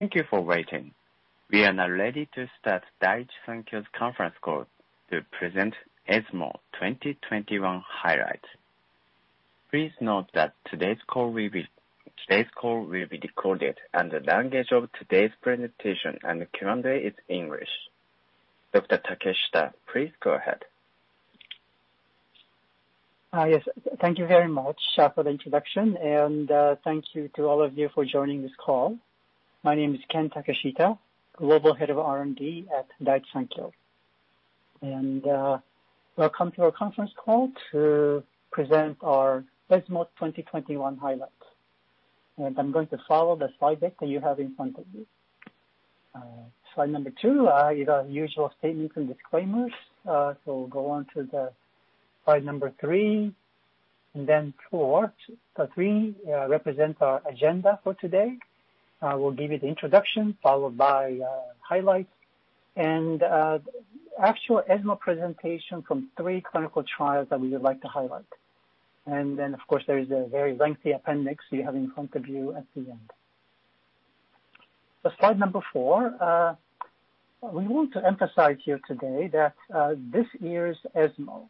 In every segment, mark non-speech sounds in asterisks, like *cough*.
Thank you for waiting. We are now ready to start Daiichi Sankyo's conference call to present ESMO 2021 highlights. Please note that today's call will be recorded, and the language of today's presentation and Q&A is English. Dr. Takeshita, please go ahead. Yes, thank you very much for the introduction, and thank you to all of you for joining this call. My name is Ken Takeshita, Global Head of R&D at Daiichi Sankyo. Welcome to our conference call to present our ESMO 2021 highlights. I'm going to follow the slide deck that you have in front of you. Slide number two is our usual statements and disclaimers. We'll go on to slide number three, and then four. The three represent our agenda for today. I will give you the introduction, followed by highlights, and the actual ESMO presentation from three clinical trials that we would like to highlight. Then, of course, there is a very lengthy appendix you have in front of you at the end. Slide number four. We want to emphasize here today that this year's ESMO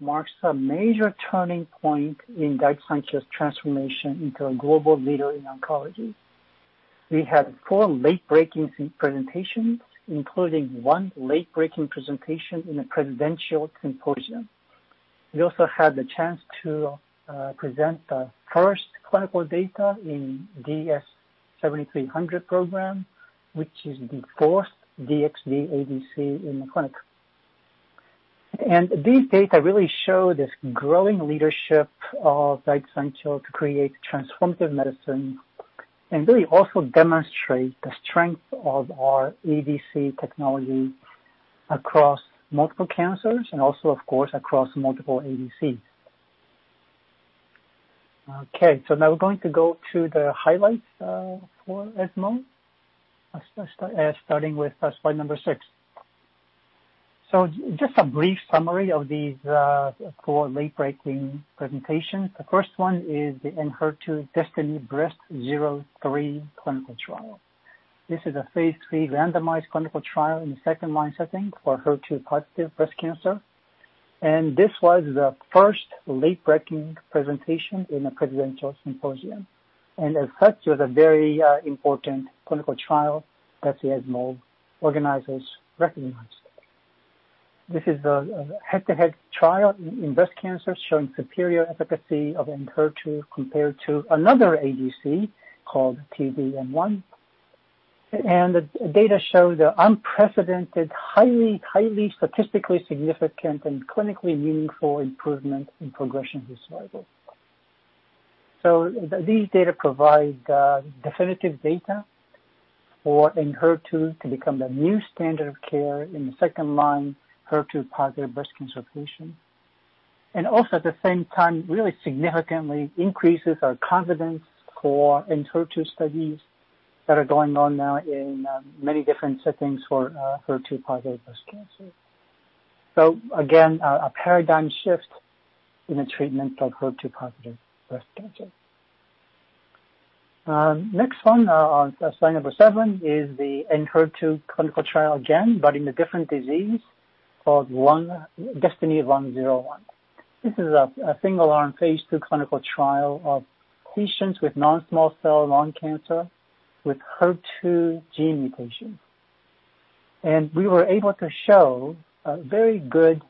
marks a major turning point in Daiichi Sankyo's transformation into a global leader in oncology. We had four late-breaking presentations, including one late-breaking presentation in a presidential symposium. We also had the chance to present the first clinical data in DS-7300 program, which is the fourth DXd ADC in the clinic. These data really show this growing leadership of Daiichi Sankyo to create transformative medicine, and really also demonstrate the strength of our ADC technology across multiple cancers and also, of course, across multiple ADCs. Now we're going to go to the highlights for ESMO, starting with slide number six. Just a brief summary of these four late-breaking presentations. The first one is the ENHERTU DESTINY-Breast03 clinical trial. This is a phase III randomized clinical trial in the second-line setting for HER2-positive breast cancer. This was the first late-breaking presentation in a presidential symposium, and as such, was a very important clinical trial that the ESMO organizers recognized. This is a head-to-head trial in breast cancer, showing superior efficacy of ENHERTU compared to another ADC called T-DM1. The data show the unprecedented, highly statistically significant, and clinically meaningful improvement in progression-free survival. These data provide definitive data for ENHERTU to become the new standard of care in the second-line HER2-positive breast cancer patients, and also at the same time, really significantly increases our confidence for ENHERTU studies that are going on now in many different settings for HER2-positive breast cancer. Again, a paradigm shift in the treatment of HER2-positive breast cancer. Next one, on slide number seven, is the ENHERTU clinical trial again, but in a different disease, called DESTINY-Lung01. This is a single-arm phase II clinical trial of patients with non-small cell lung cancer with HER2 gene mutations. We were able to show very good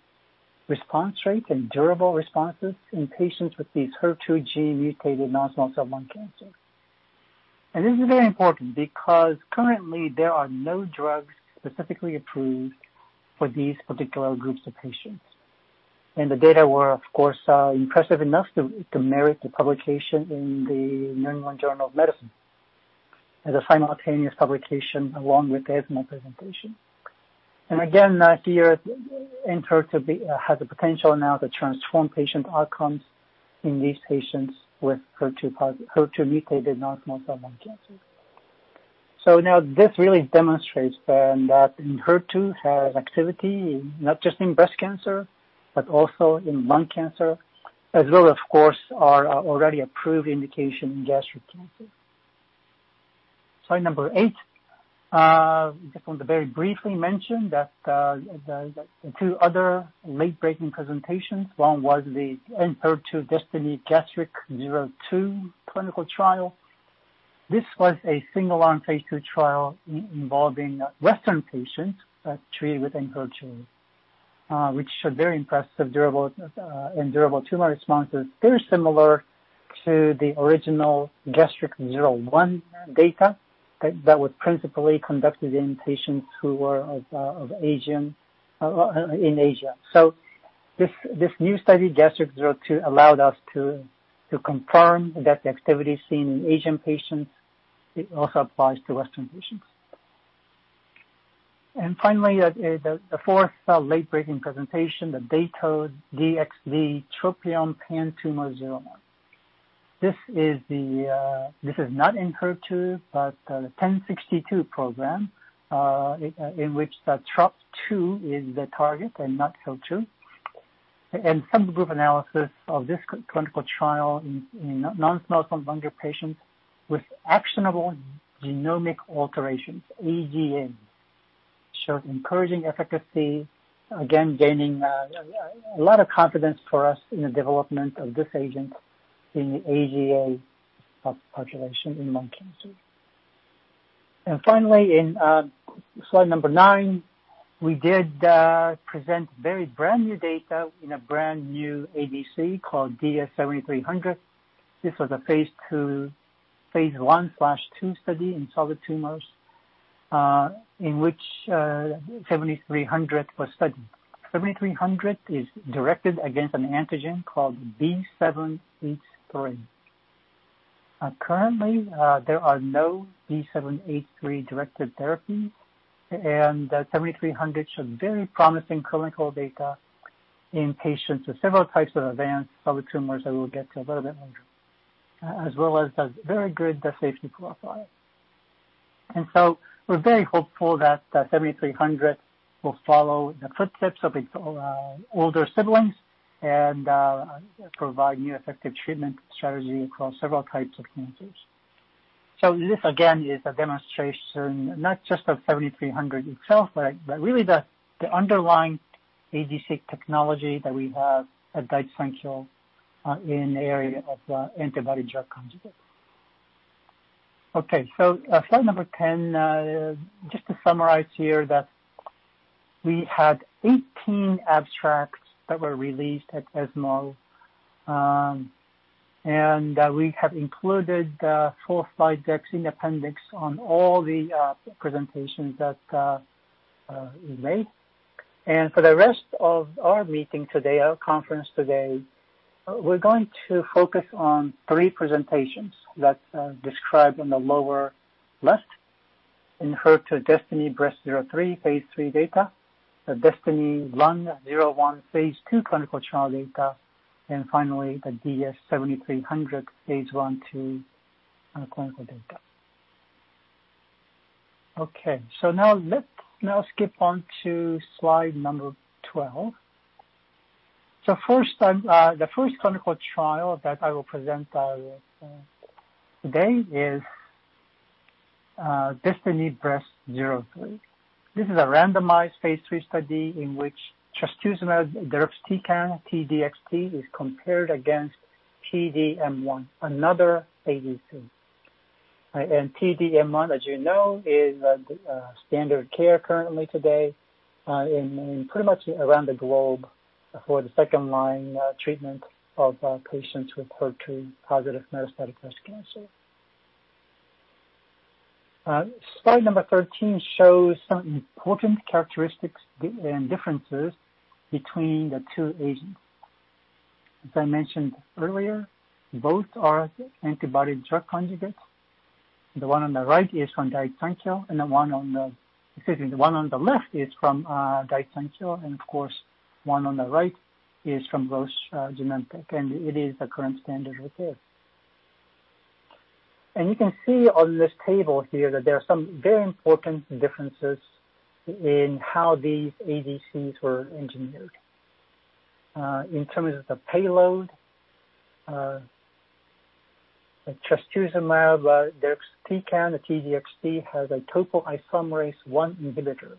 response rates and durable responses in patients with these HER2 gene-mutated non-small cell lung cancer. This is very important because currently, there are no drugs specifically approved for these particular groups of patients. The data were, of course, impressive enough to merit the publication in the New England Journal of Medicine as a simultaneous publication along with the ESMO presentation. Again, here, ENHERTU has the potential now to transform patient outcomes in these patients with HER2-mutated non-small cell lung cancer. Now this really demonstrates that ENHERTU has activity, not just in breast cancer, but also in lung cancer, as well, of course, our already approved indication in gastric cancer. Slide number 8. Just want to very briefly mention the two other late-breaking presentations. One was the ENHERTU DESTINY-Gastric02 clinical trial. This was a single-arm phase II trial involving Western patients treated with ENHERTU, which showed very impressive and durable tumor responses, very similar to the original DESTINY-Gastric01 data that was principally conducted in patients who were in Asia. This new study, DESTINY-Gastric02, allowed us to confirm that the activity seen in Asian patients, it also applies to Western patients. Finally, the fourth late-breaking presentation, the Dato-DXd TROPION-PanTumor01. This is not ENHERTU, but the DS-1062 program, in which Trop2 is the target and not HER2. Subgroup analysis of this clinical trial in non-small cell lung cancer patients with actionable genomic alterations, AGA, showed encouraging efficacy, again, gaining a lot of confidence for us in the development of this agent in the AGA population in lung cancer. Finally, in slide nine, we did present very brand-new data in a brand-new ADC called DS-7300. This was a phase I/II study in solid tumors, in which DS-7300 was studied. DS-7300 is directed against an antigen called B7-H3. Currently, there are no B7-H3-directed therapies, and DS-7300 showed very promising clinical data in patients with several types of advanced solid tumors that we'll get to a little bit later, as well as a very good safety profile. We're very hopeful that DS-7300 will follow the footsteps of its older siblings and provide new effective treatment strategy across several types of cancers. This, again, is a demonstration, not just of DS-7300 itself, but really the underlying ADC technology that we have at Daiichi Sankyo in the area of the antibody-drug conjugates. Slide number 10, just to summarize here that we had 18 abstracts that were released at ESMO, and we have included the full slide decks in appendix on all the presentations that we made. For the rest of our meeting today, our conference today, we're going to focus on three presentations that are described in the lower left. ENHERTU DESTINY-Breast03, phase III data, the DESTINY-Lung01 phase II clinical trial data, and finally, the DS-7300 phase I/II clinical data. Now let's now skip on to slide number 12. The first clinical trial that I will present today is DESTINY-Breast03. This is a randomized phase III study in which trastuzumab deruxtecan, T-DXd, is compared against T-DM1, another ADC. T-DM1, as you know, is the standard of care currently today in pretty much around the globe for the second-line treatment of patients with HER2-positive metastatic breast cancer. Slide number 13 shows some important characteristics and differences between the two agents. As I mentioned earlier, both are antibody-drug conjugates. The one on the left is from Daiichi Sankyo, and of course, one on the right is from Roche/Genentech, and it is the current standard of care. You can see on this table here that there are some very important differences in how these ADCs were engineered. In terms of the payload, the trastuzumab deruxtecan, the T-DXd, has a topoisomerase I inhibitor,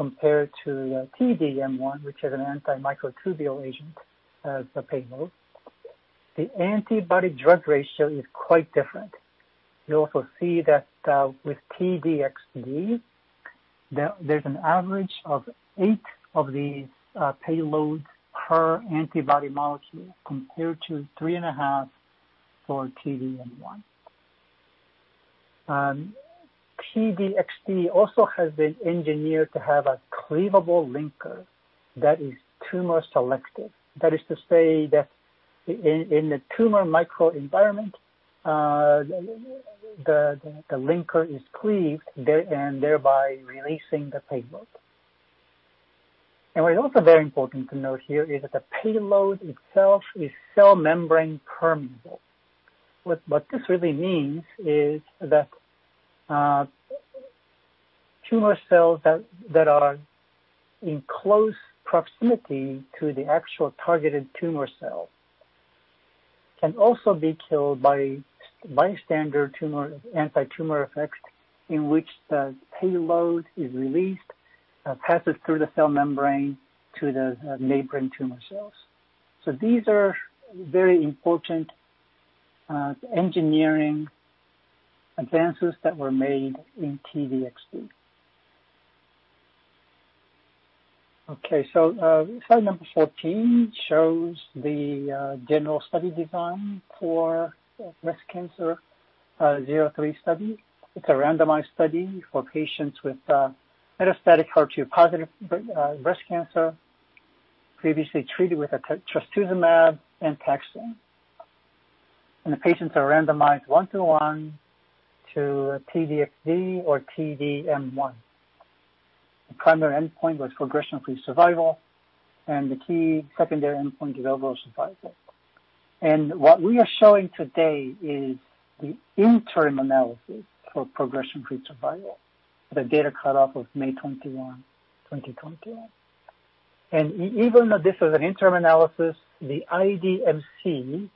compared to T-DM1, which is an anti-microtubule agent as the payload. The antibody-drug ratio is quite different. You also see that with T-DXd, there's an average of eight of these payloads per antibody molecule, compared to 3.5 for T-DM1. T-DXd also has been engineered to have a cleavable linker that is tumor selective. That is to say that in the tumor microenvironment, the linker is cleaved, and thereby releasing the payload. What is also very important to note here is that the payload itself is cell membrane permeable. What this really means is that tumor cells that are in close proximity to the actual targeted tumor cell can also be killed by bystander anti-tumor effects, in which the payload is released, passes through the cell membrane to the neighboring tumor cells. These are very important engineering advances that were made in T-DXd. Slide number 14 shows the general study design for DESTINY-Breast03 study. It's a randomized study for patients with metastatic HER2-positive breast cancer, previously treated with a trastuzumab and taxane. The patients are randomized one-to-one to T-DXd or T-DM1. The primary endpoint was progression-free survival, and the key secondary endpoint is overall survival. What we are showing today is the interim analysis for progression-free survival, the data cutoff of May 21, 2021. Even though this was an interim analysis, the IDMC,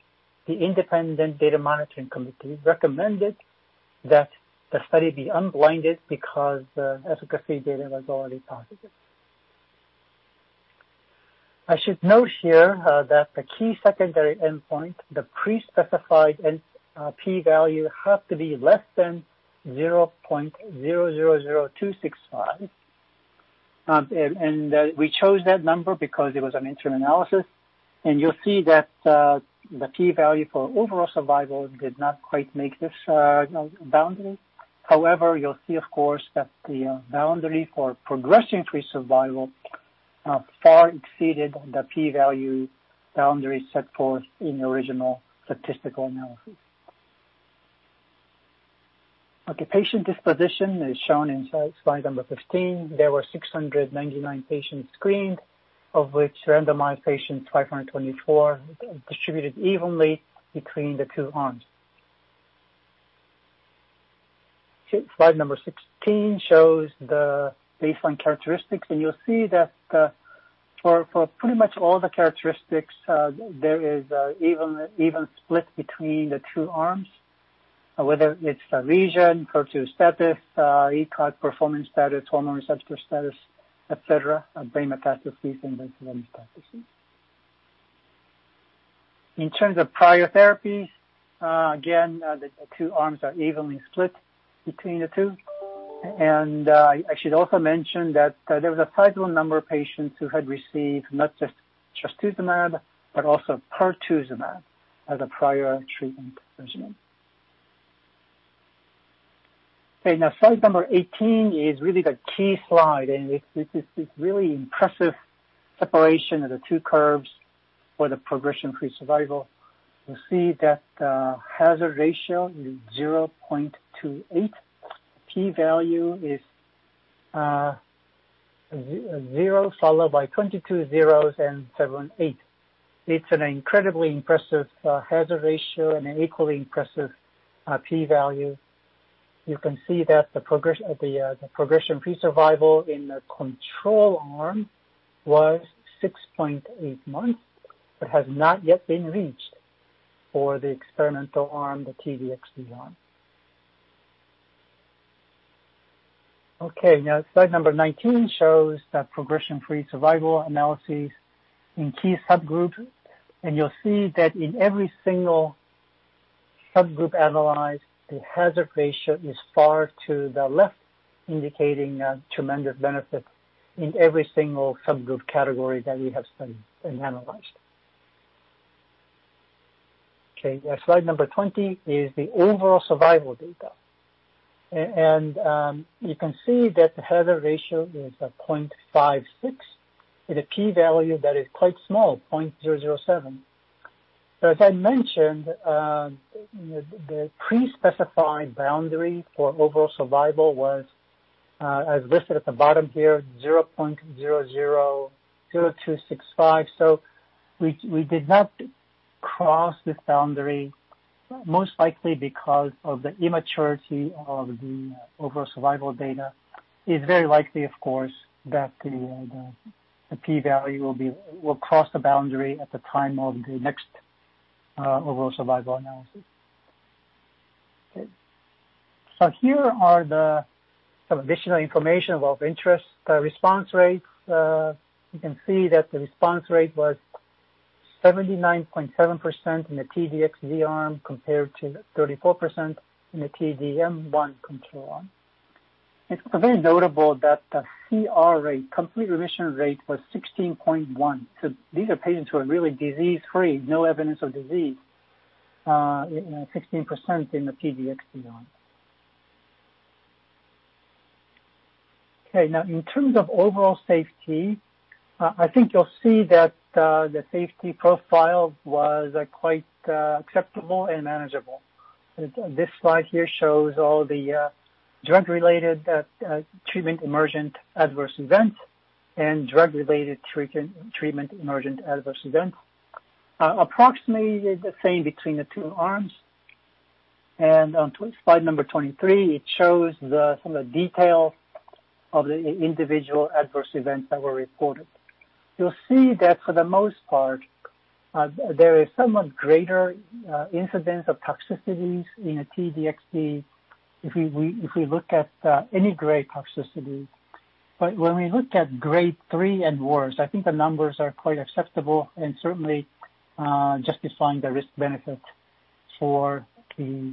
the Independent Data Monitoring Committee, recommended that the study be unblinded because the efficacy data was already positive. I should note here that the key secondary endpoint, the pre-specified p-value, had to be less than 0.000265. We chose that number because it was an interim analysis. You'll see that the p-value for overall survival did not quite make this boundary. You'll see, of course, that the boundary for progression-free survival far exceeded the p-value boundary set forth in the original statistical analysis. Patient disposition is shown in slide number 15. There were 699 patients screened, of which randomized patients 524, distributed evenly between the two arms. Slide number 16 shows the baseline characteristics, and you'll see that for pretty much all the characteristics, there is an even split between the two arms, whether it's the region, HER2 status, ECOG performance status, hormone receptor status, et cetera, brain metastases and visceral metastases. In terms of prior therapy, again, the two arms are evenly split between the two. I should also mention that there was a sizable number of patients who had received not just trastuzumab, but also pertuzumab as a prior treatment regimen. Slide 18 is really the key slide. This is really impressive separation of the two curves for the progression-free survival. You will see that the hazard ratio is 0.28. p-value is zero followed by 22 zeros and 78. It is an incredibly impressive hazard ratio and an equally impressive p-value. You can see that the progression-free survival in the control arm was 6.8 months, has not yet been reached for the experimental arm, the T-DXd arm. Slide 19 shows that progression-free survival analysis in key subgroups. You will see that in every single subgroup analyzed, the hazard ratio is far to the left, indicating a tremendous benefit in every single subgroup category that we have studied and analyzed. Slide 20 is the overall survival data. You can see that the hazard ratio is at 0.56 with a p-value that is quite small, 0.007. As I mentioned, the pre-specified boundary for overall survival was, as listed at the bottom here, 0.000265. We did not cross this boundary, most likely because of the immaturity of the overall survival data. It's very likely, of course, that the p-value will cross the boundary at the time of the next overall survival analysis. Okay. Here are some additional information of interest. The response rates, you can see that the response rate was 79.7% in the T-DXd arm, compared to 34% in the T-DM1 control arm. It's very notable that the CR rate, complete remission rate, was 16.1. These are patients who are really disease-free, no evidence of disease, 16% in the T-DXd arm. Okay. In terms of overall safety, I think you'll see that the safety profile was quite acceptable and manageable. This slide here shows all the drug-related treatment emergent adverse events. Approximately the same between the two arms. On slide 23, it shows some of the details of the individual adverse events that were reported. You'll see that for the most part, there is somewhat greater incidence of toxicities in the T-DXd if we look at any grade toxicity. When we look at Grade 3 and worse, I think the numbers are quite acceptable and certainly justifying the risk-benefit for T-DXd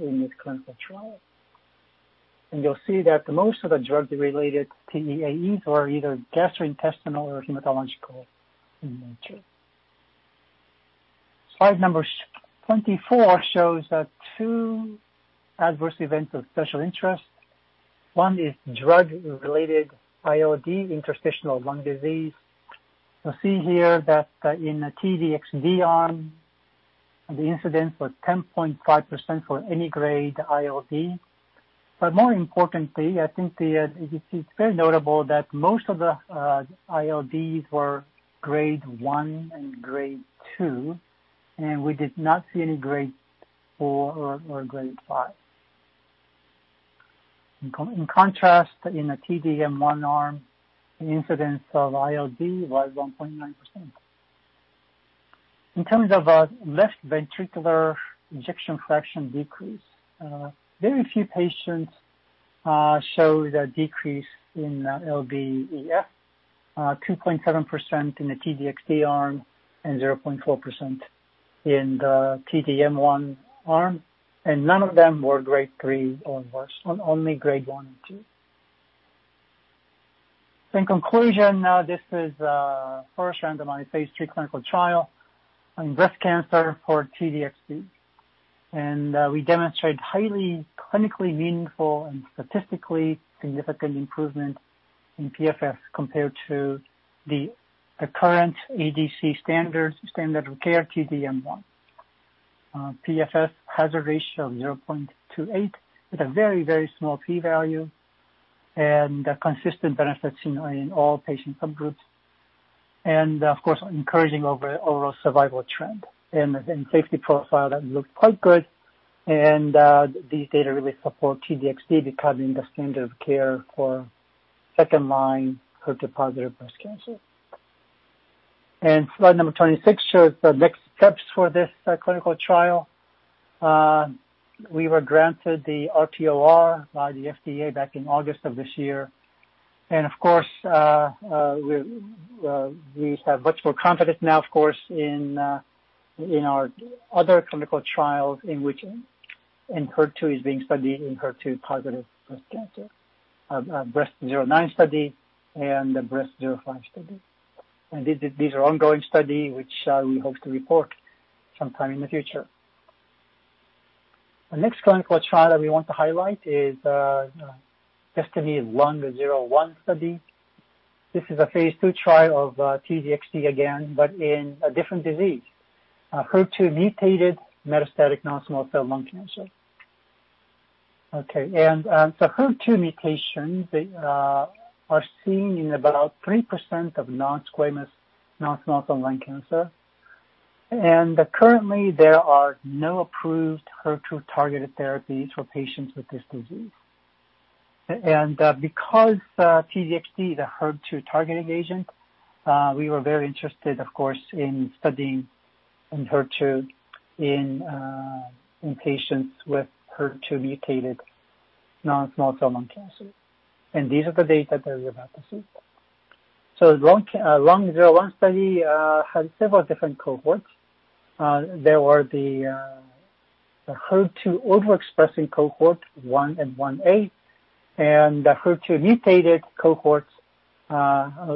in this clinical trial. You'll see that most of the drug-related TEAEs are either gastrointestinal or hematological in nature. Slide 24 shows two adverse events of special interest. One is drug-related ILD, interstitial lung disease. You'll see here that in the T-DXd arm. The incidence was 10.5% for any Grade ILD. More importantly, I think it is very notable that most of the ILDs were Grade 1 and Grade 2, and we did not see any Grade 4 or Grade 5. In contrast, in the T-DM1 arm, the incidence of ILD was 1.9%. In terms of left ventricular ejection fraction decrease, very few patients show the decrease in LVEF, 2.7% in the T-DXd arm and 0.4% in the T-DM1 arm, and none of them were Grade 3 or worse. Only Grade 1 and Grade 2. In conclusion, this is first randomized phase III clinical trial in breast cancer for T-DXd. We demonstrate highly clinically meaningful and statistically significant improvement in PFS compared to the current ADC standard of care, T-DM1. PFS hazard ratio of 0.28 with a very, very small P value, consistent benefits in all patient subgroups. Of course, encouraging overall survival trend. Safety profile that looked quite good, and these data really support T-DXd becoming the standard of care for second-line HER2-positive breast cancer. Slide number 26 shows the next steps for this clinical trial. We were granted the RTOR by the FDA back in August of this year. Of course, we have much more confidence now in our other clinical trials in which ENHERTU is being studied in HER2-positive breast cancer. Breast-09 study and the Breast-05 study. These are ongoing study, which we hope to report sometime in the future. The next clinical trial that we want to highlight is DESTINY-Lung01 study. This is a phase II trial of T-DXd again, but in a different disease, HER2-mutated metastatic non-small cell lung cancer. Okay. The HER2 mutations are seen in about 3% of non-squamous non-small cell lung cancer. Currently, there are no approved HER2-targeted therapies for patients with this disease. Because T-DXd is a HER2 targeting agent, we were very interested, of course, in studying ENHERTU in patients with HER2-mutated non-small cell lung cancer. These are the data that we are about to see. DESTINY-Lung01 study has several different cohorts. There were the HER2 overexpressing Cohort 1 and Cohort 1A, and the HER2-mutated cohorts,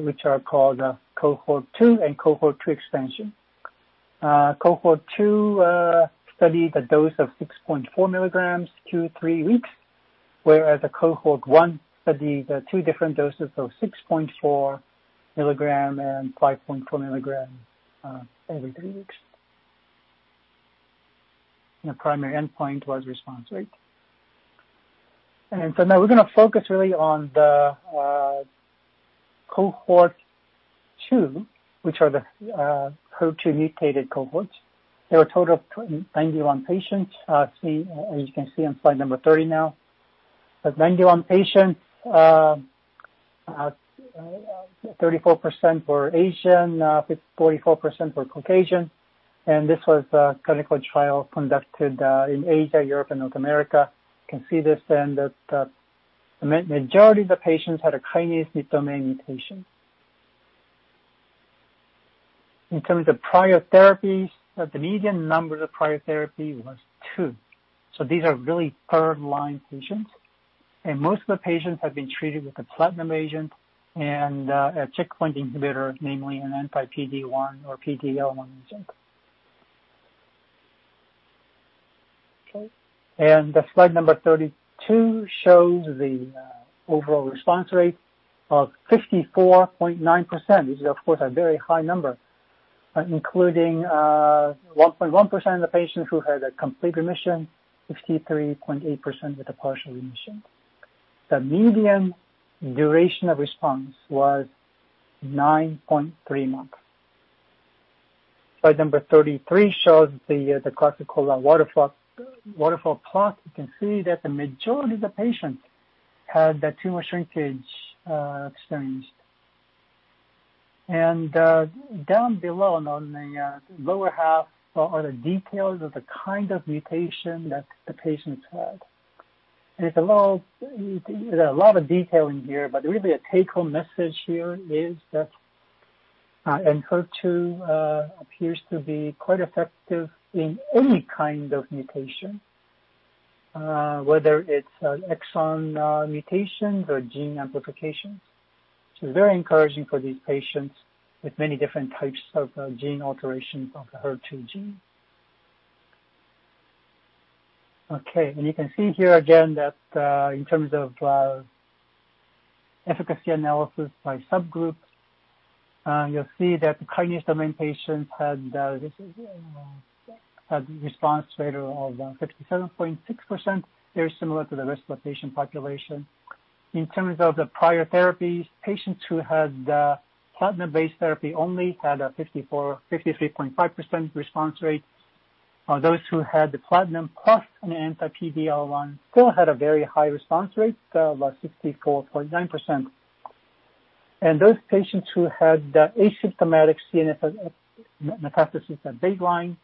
which are called Cohort 2 and Cohort 3 expansion. Cohort 2 studied a dose of 6.4 mg, two, three weeks, whereas the Cohort 1 studied two different doses of 6.4 mg and 5.4 mg every three weeks. The primary endpoint was response rate. Now we're going to focus really on the Cohort 2, which are the HER2-mutated cohorts. There were a total of 91 patients, as you can see on slide number 30 now. 91 patients, 34% were Asian, 44% were Caucasian, and this was a clinical trial conducted in Asia, Europe, and North America. You can see this, the majority of the patients had a kinase domain mutation. In terms of prior therapies, the median number of prior therapy was two, so these are really third-line patients. Most of the patients had been treated with a platinum agent and a checkpoint inhibitor, namely an anti-PD-1 or PD-L1 agent. Okay. Slide number 32 shows the overall response rate of 54.9%, which is, of course, a very high number, including 1.1% of the patients who had a complete remission, 63.8% with a partial remission. The median duration of response was 9.3 months. Slide number 33 shows the classical waterfall plot. You can see that the majority of the patients had the tumor shrinkage experienced. Down below on the lower half are the details of the kind of mutation that the patients had. There's a lot of detail in here, really a take-home message here is that ENHERTU appears to be quite effective in any kind of mutation, whether it's an exon mutations or gene amplifications, which is very encouraging for these patients with many different types of gene alterations of the HER2 gene. Okay. You can see here again that in terms of efficacy analysis by subgroup, you'll see that the brain metastasis domain patients had a response rate of 57.6%, very similar to the rest of the patient population. In terms of the prior therapies, patients who had platinum-based therapy only had a 53.5% response rate. Those who had the platinum plus an anti-PD-L1 still had a very high response rate, about 64.9%. Those patients who had asymptomatic CNS metastases at baseline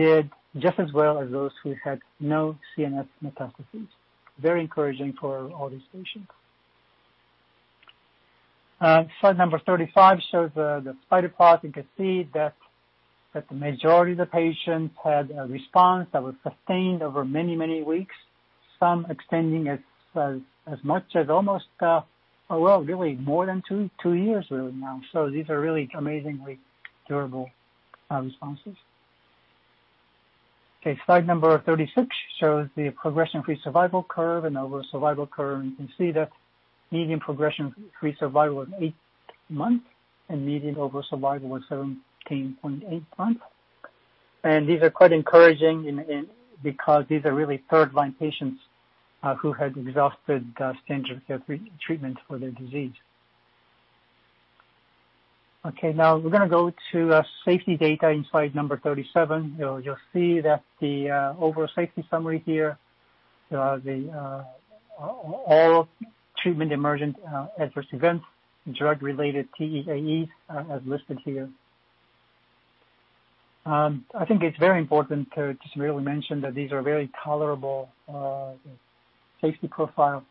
did just as well as those who had no CNS metastases. Very encouraging for all these patients. Slide number 35 shows the spider plot. You can see that the majority of the patients had a response that was sustained over many, many weeks, some extending as much as almost, well, really more than two years now. These are really amazingly durable responses. Okay, slide number 36 shows the progression-free survival curve and overall survival curve. You can see the median progression-free survival of eight months and median overall survival of 17.8 months. These are quite encouraging because these are really third-line patients who had exhausted standard of care treatment for their disease. We're going to go to safety data in slide number 37. You'll see that the overall safety summary here, all treatment emergent adverse events, drug-related TEAE, as listed here. I think it's very important to just really mention that these are very tolerable safety profile.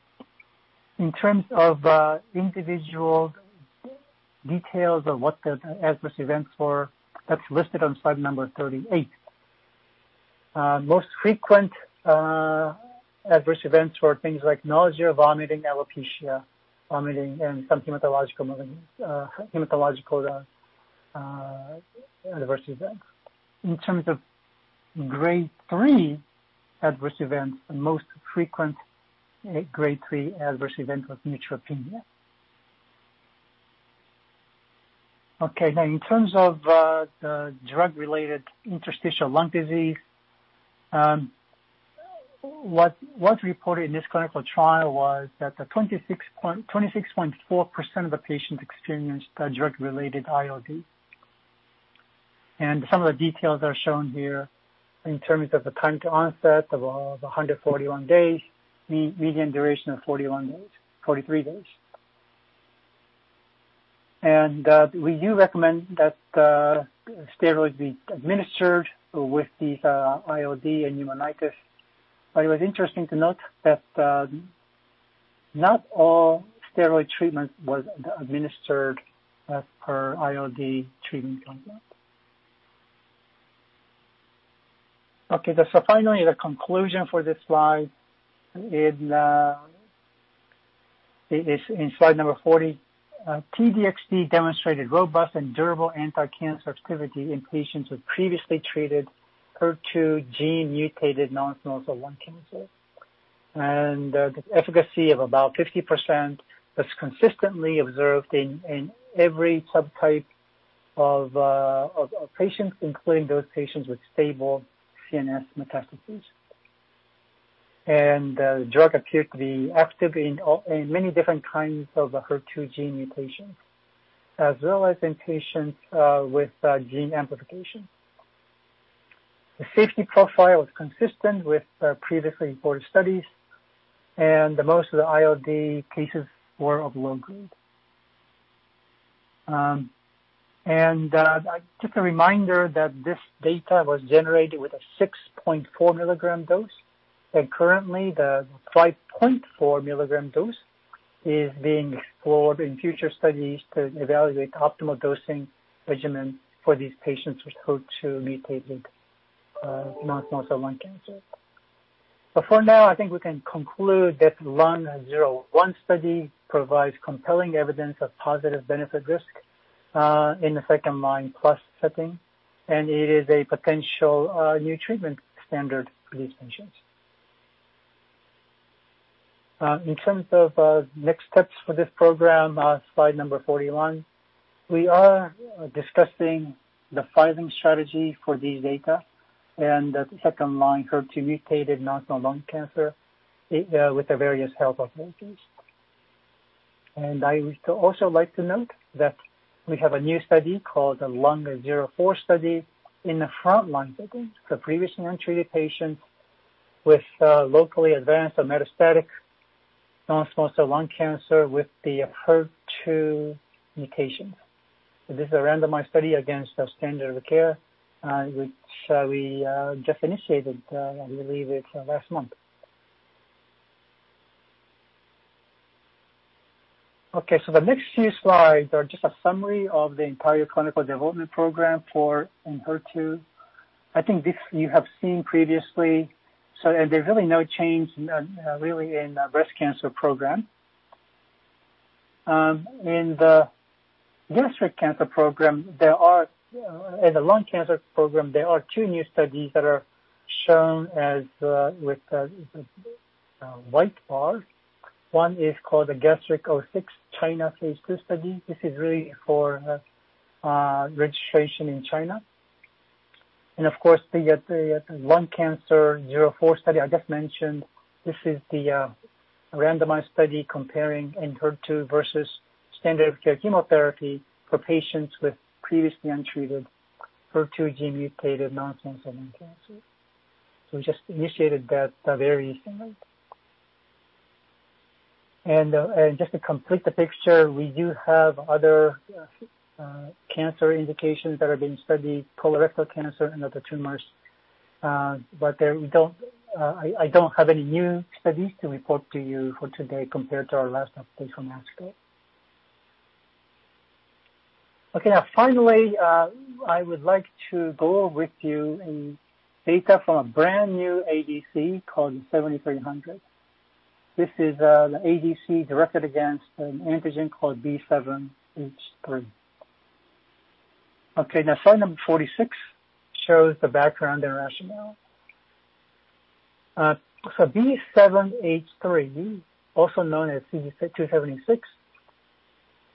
In terms of individual details of what the adverse events were, that's listed on slide number 38. Most frequent adverse events were things like nausea, vomiting, alopecia, vomiting, and some hematological adverse events. In terms of Grade 3 adverse events, the most frequent Grade 3 adverse event was neutropenia. In terms of the drug-related interstitial lung disease, what was reported in this clinical trial was that 26.4% of the patients experienced drug-related ILD. Some of the details are shown here in terms of the time to onset of 141 days, median duration of 43 days. We do recommend that steroids be administered with these ILD and pneumonitis. It was interesting to note that not all steroid treatment was administered as per ILD treatment. Finally, the conclusion for this slide is in slide number 40. T-DXd demonstrated robust and durable anti-cancer activity in patients with previously treated HER2 gene-mutated non-small cell lung cancer. The efficacy of about 50% was consistently observed in every subtype of patients, including those patients with stable CNS metastases. The drug appeared to be active in many different kinds of HER2 gene mutations, as well as in patients with gene amplification. The safety profile was consistent with previously reported studies. Most of the ILD cases were of low grade. Just a reminder that this data was generated with a 6.4 mg dose, and currently, the 5.4 mg dose is being explored in future studies to evaluate the optimal dosing regimen for these patients with HER2-mutated non-small cell lung cancer. For now, I think we can conclude that DESTINY-Lung01 study provides compelling evidence of positive benefit risk in the second-line plus setting, and it is a potential new treatment standard for these patients. In terms of next steps for this program, slide number 41, we are discussing the filing strategy for these data and the second-line HER2-mutated non-small cell lung cancer with the various health authorities. I would also like to note that we have a new study called the DESTINY-Lung01 study in the frontline setting for previously untreated patients with locally advanced or metastatic non-small cell lung cancer with the HER2 mutation. This is a randomized study against standard of care, which we just initiated, I believe it was last month. The next few slides are just a summary of the entire clinical development program for ENHERTU. I think this you have seen previously. There's really no change, really, in the breast cancer program. In the gastric cancer program, in the lung cancer program, there are two new studies that are shown with the white bars. One is called the Gastric06-China phase II study. This is really for registration in China. The DESTINY-Lung01 study I just mentioned, this is the randomized study comparing ENHERTU versus standard of care chemotherapy for patients with previously untreated HER2-gene mutated non-small cell lung cancer. We just initiated that very recently. Just to complete the picture, we do have other cancer indications that are being studied, colorectal cancer and other tumors. I don't have any new studies to report to you for today compared to our last update from ASCO. Okay. Finally, I would like to go over with you data from a brand-new ADC called DS-7300. This is the ADC directed against an antigen called B7-H3. Okay. Slide number 46 shows the background and rationale. B7-H3, also known as CD276,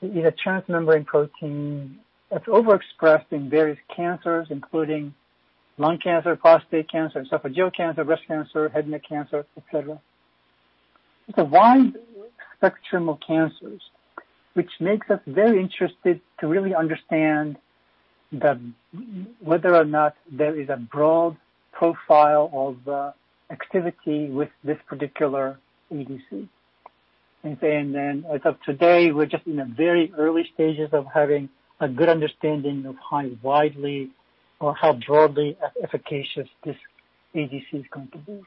is a transmembrane protein that's overexpressed in various cancers, including lung cancer, prostate cancer, esophageal cancer, breast cancer, head neck cancer, et cetera. It's a wide spectrum of cancers, which makes us very interested to really understand whether or not there is a broad profile of activity with this particular ADC. As of today, we're just in the very early stages of having a good understanding of how widely or how broadly efficacious this ADC is going to be.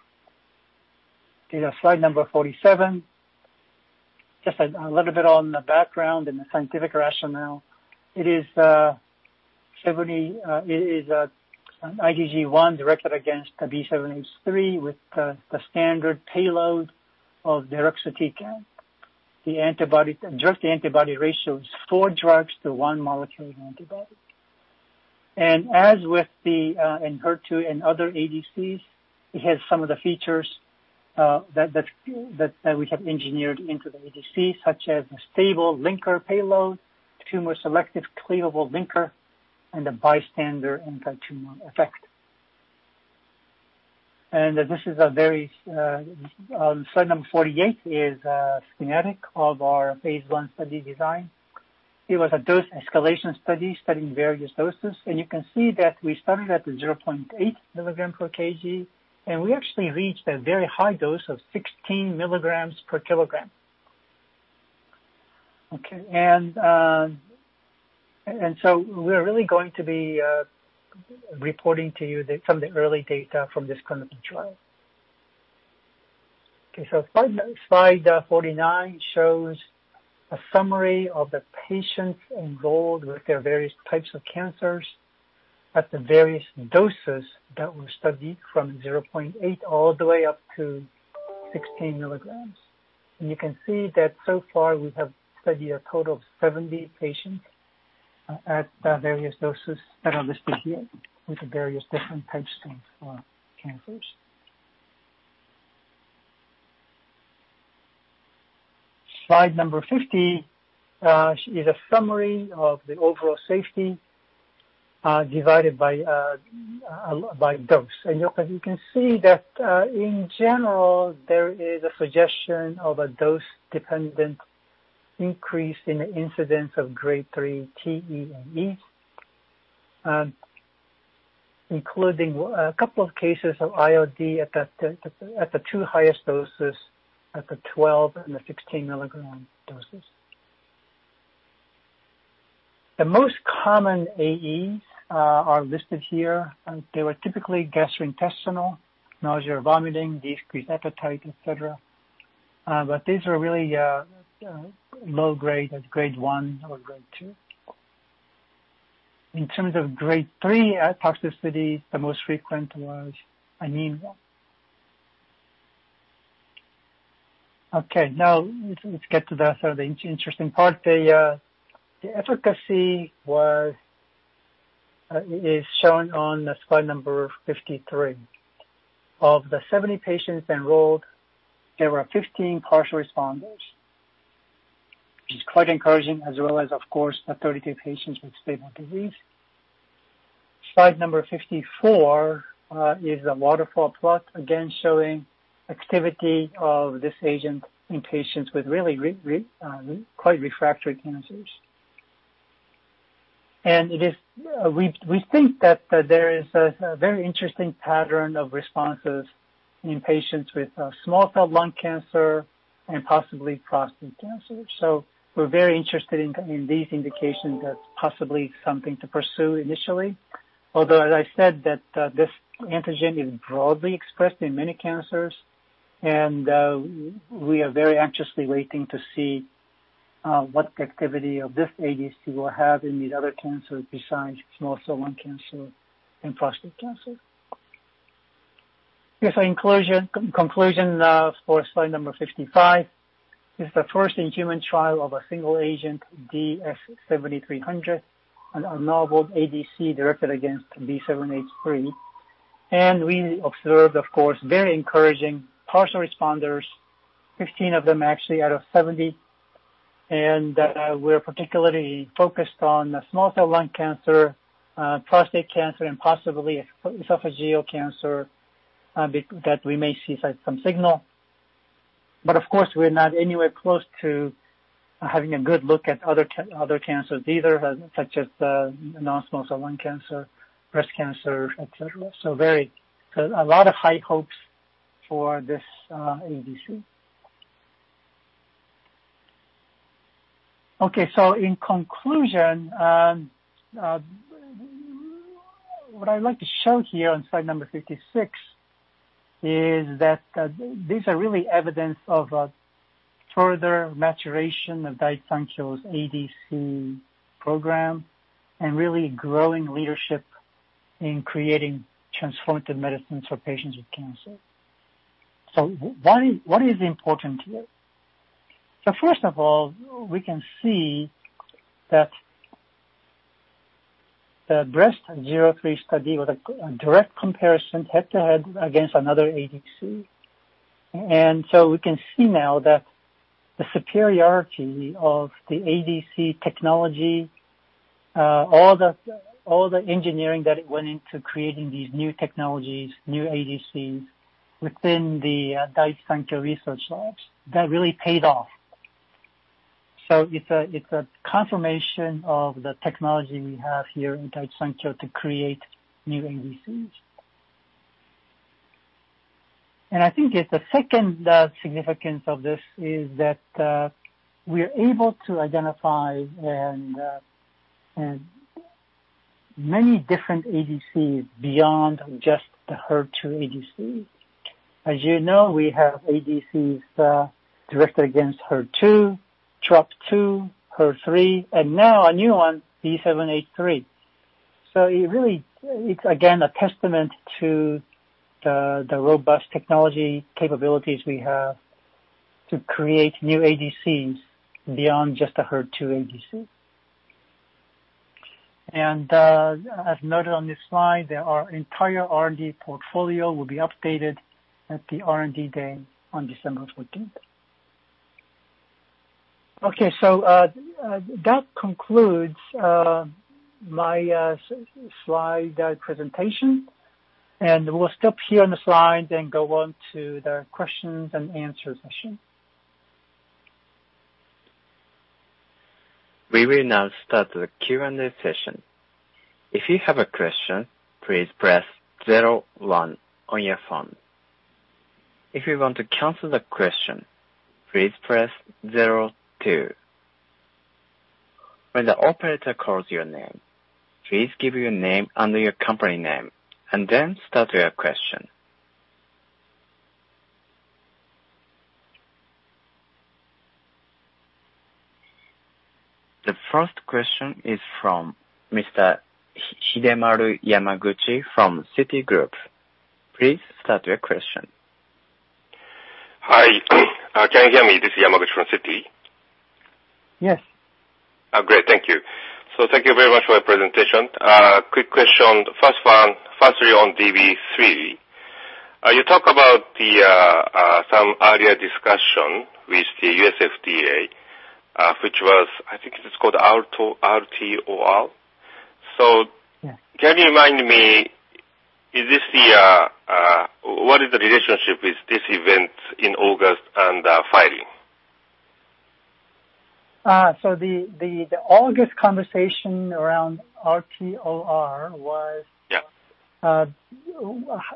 Data slide number 47, just a little bit on the background and the scientific rationale. It is an IgG1 directed against the B7-H3 with the standard payload of deruxtecan. The drug to antibody ratio is four drugs to one molecule of antibody. As with the ENHERTU and other ADCs, it has some of the features that we have engineered into the ADC, such as the stable linker payload, tumor selective cleavable linker, and the bystander anti-tumor effect. Slide number 48 is a schematic of our phase I study design. It was a dose escalation study studying various doses. You can see that we started at the 0.8 mg per kg, and we actually reached a very high dose of 16 mg per kg. Okay. We're really going to be reporting to you some of the early data from this clinical trial. Okay. Slide 49 shows a summary of the patients enrolled with their various types of cancers at the various doses that were studied from 0.8 mg all the way up to 16 mg. You can see that so far, we have studied a total of 70 patients at various doses that are listed here with various different types of cancers. Slide number 50 is a summary of the overall safety divided by dose. You can see that, in general, there is a suggestion of a dose-dependent increase in the incidence of Grade 3 AEs, including couple of cases of ILD at the two highest doses, at the 12 mg and the 16 mg doses. The most common AEs are listed here. They were typically gastrointestinal, nausea, vomiting, decreased appetite, et cetera. These were really low grade, at Grade 1 or Grade 2. In terms of Grade 3 toxicities, the most frequent was anemia. Okay. Let's get to the sort of interesting part. The efficacy is shown on slide number 53. Of the 70 patients enrolled, there were 15 partial responders, which is quite encouraging, as well as, of course, the 32 patients with stable disease. Slide number 54 is a waterfall plot again showing activity of this agent in patients with really quite refractory cancers. We think that there is a very interesting pattern of responses in patients with small cell lung cancer and possibly prostate cancer. We're very interested in these indications as possibly something to pursue initially. Although, as I said that this antigen is broadly expressed in many cancers, and we are very anxiously waiting to see what the activity of this ADC will have in these other cancers besides small cell lung cancer and prostate cancer. Yes, conclusion for slide number 55. This is the first in-human trial of a single agent DS-7300, a novel ADC directed against B7-H3. We observed, of course, very encouraging partial responders, 15 of them actually out of 70, and we're particularly focused on small cell lung cancer, prostate cancer, and possibly esophageal cancer, that we may see some signal. Of course, we're not anywhere close to having a good look at other cancers either, such as the non-small cell lung cancer, breast cancer, et cetera. A lot of high hopes for this ADC. Okay. In conclusion, what I'd like to show here on slide 56 is that these are really evidence of a further maturation of Daiichi Sankyo's ADC program and really growing leadership in creating transformative medicines for patients with cancer. What is important here? First of all, we can see that the DESTINY-Breast03 study was a direct comparison, head-to-head against another ADC. We can see now that the superiority of the ADC technology, all the engineering that went into creating these new technologies, new ADCs within the Daiichi Sankyo research labs, that really paid off. It's a confirmation of the technology we have here in Daiichi Sankyo to create new ADCs. I think that the second significance of this is that we're able to identify many different ADCs beyond just the HER2 ADC. As you know, we have ADCs directed against HER2, Trop2, HER3, and now a new one, B7-H3. It really, it's again a testament to the robust technology capabilities we have to create new ADCs beyond just the HER2 ADC. As noted on this slide, our entire R&D portfolio will be updated at the R&D Day on December 14th. Okay. That concludes my slide presentation. We'll stop here on the slides and go on to the questions and answer session. We will now start the Q&A session. When the operator calls your name, please give your name under your company name, then start your question. The first question is from Mr. Hidemaru Yamaguchi from Citigroup. Please start your question. Hi. Can you hear me? This is Yamaguchi from Citi. Yes. Great. Thank you. Thank you very much for your presentation. Quick question, first one, firstly on DB-03. You talk about some earlier discussion with the U.S. FDA, which was, I think it is called RTOR. Yeah. Can you remind me, what is the relationship with this event in August and the filing? The August conversation around RTOR was. Yeah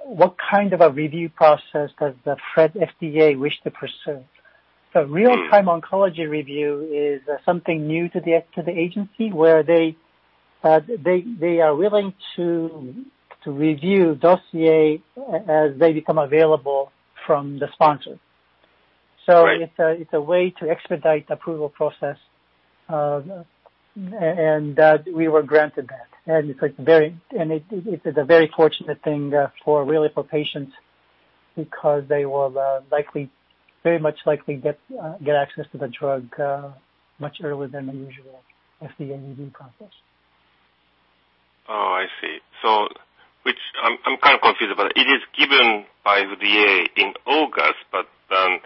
What kind of a review process does the FDA wish to pursue? Real-Time Oncology Review is something new to the agency where they are willing to review dossiers as they become available from the sponsor. Right. It's a way to expedite the approval process, and we were granted that. It is a very fortunate thing, really for patients because they will very much likely get access to the drug much earlier than the usual FDA review process. Oh, I see. I'm kind of confused about it. It is given by the FDA in August, but then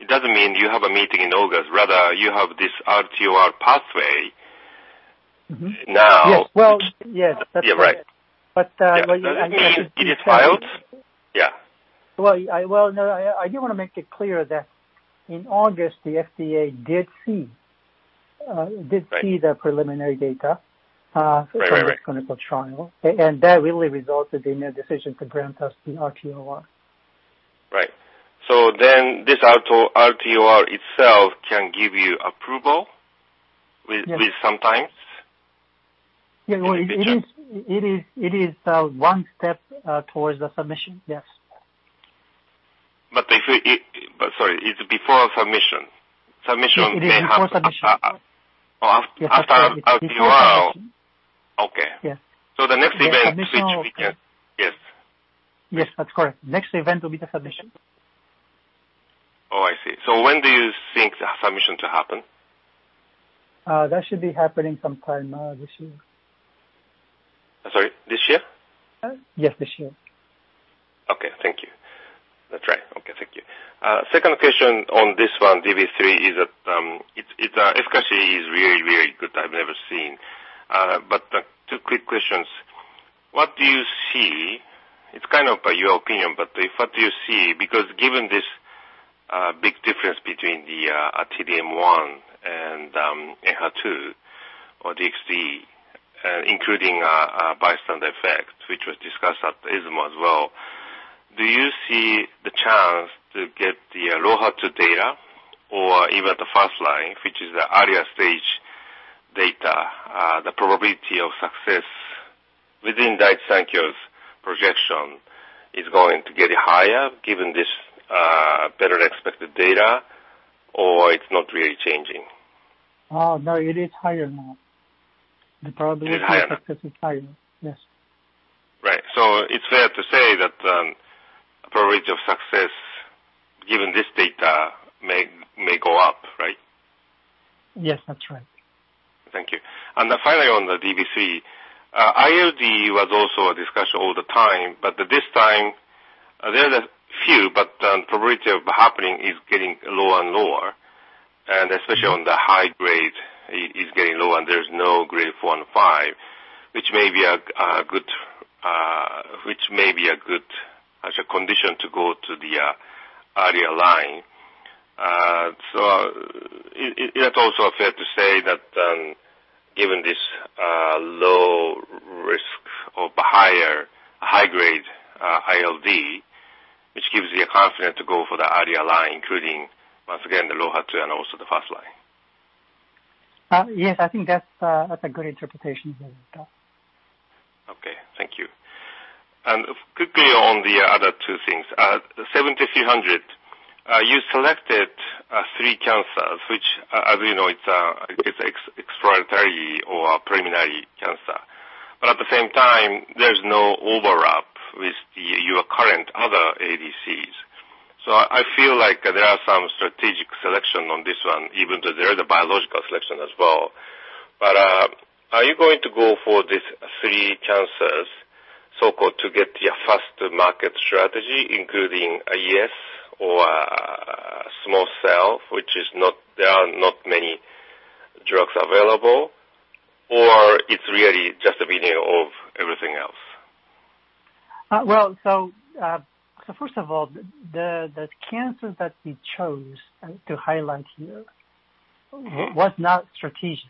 it doesn't mean you have a meeting in August. Rather, you have this RTOR pathway now. Yes. Well, yes, that's correct. Yeah, right. But. *crosstalk* It is filed? Yeah. I do want to make it clear that in August, the FDA did see the preliminary data. Right. From this clinical trial. That really resulted in a decision to grant us the RTOR. Right. This RTOR itself can give you approval. Yes. Some time? Yeah. Well, it is one step towards the submission. Yes. Sorry, it's before submission. Submission may happen. It is before submission. After RTOR. *crosstalk* Okay. Yes. The next event. Yes. Yes, that's correct. Next event will be the submission. Oh, I see. When do you think the submission to happen? That should be happening sometime this year. Sorry, this year? Yes, this year. Okay. Thank you. That's right. Okay, thank you. Second question on this one, DB-03, is that its efficacy is really good. I've never seen. Two quick questions. What do you see? It's kind of your opinion, what do you see? Given this big difference between the T-DM1 and HER2 or T-DXd, including bystander effect, which was discussed at ESMO as well, do you see the chance to get the [adjuvant] data or even the first line, which is the earlier stage data, the probability of success within Daiichi Sankyo's projection is going to get higher given this better-than-expected data or it's not really changing? Oh, no, it is higher now. It's higher. of success is higher. Yes. Right. It's fair to say that the probability of success given this data may go up, right? Yes, that's right. Thank you. Finally, on the DB-03, ILD was also a discussion all the time, but this time there's a few, but the probability of happening is getting lower and lower, and especially on the high-grade, is getting low and there's no Grade 4 and Grade 5, which may be a good condition to go to the earlier line. It is also fair to say that, given this low risk of higher high-grade ILD, which gives you confidence to go for the earlier line, including, once again, the robust and also the first line. Yes, I think that's a good interpretation as well. Okay. Thank you. Quickly on the other two things. DS-7300, you selected three cancers, which, as we know, it's extraordinary or a preliminary cancer. At the same time, there's no overlap with your current other ADCs. I feel like there are some strategic selection on this one, even though there is a biological selection as well. Are you going to go for these three cancers, so-called to get your first market strategy, including ES or small cell, which there are not many drugs available, or it's really just a view of everything else? Well, first of all, the cancer that we chose to highlight here was not strategic.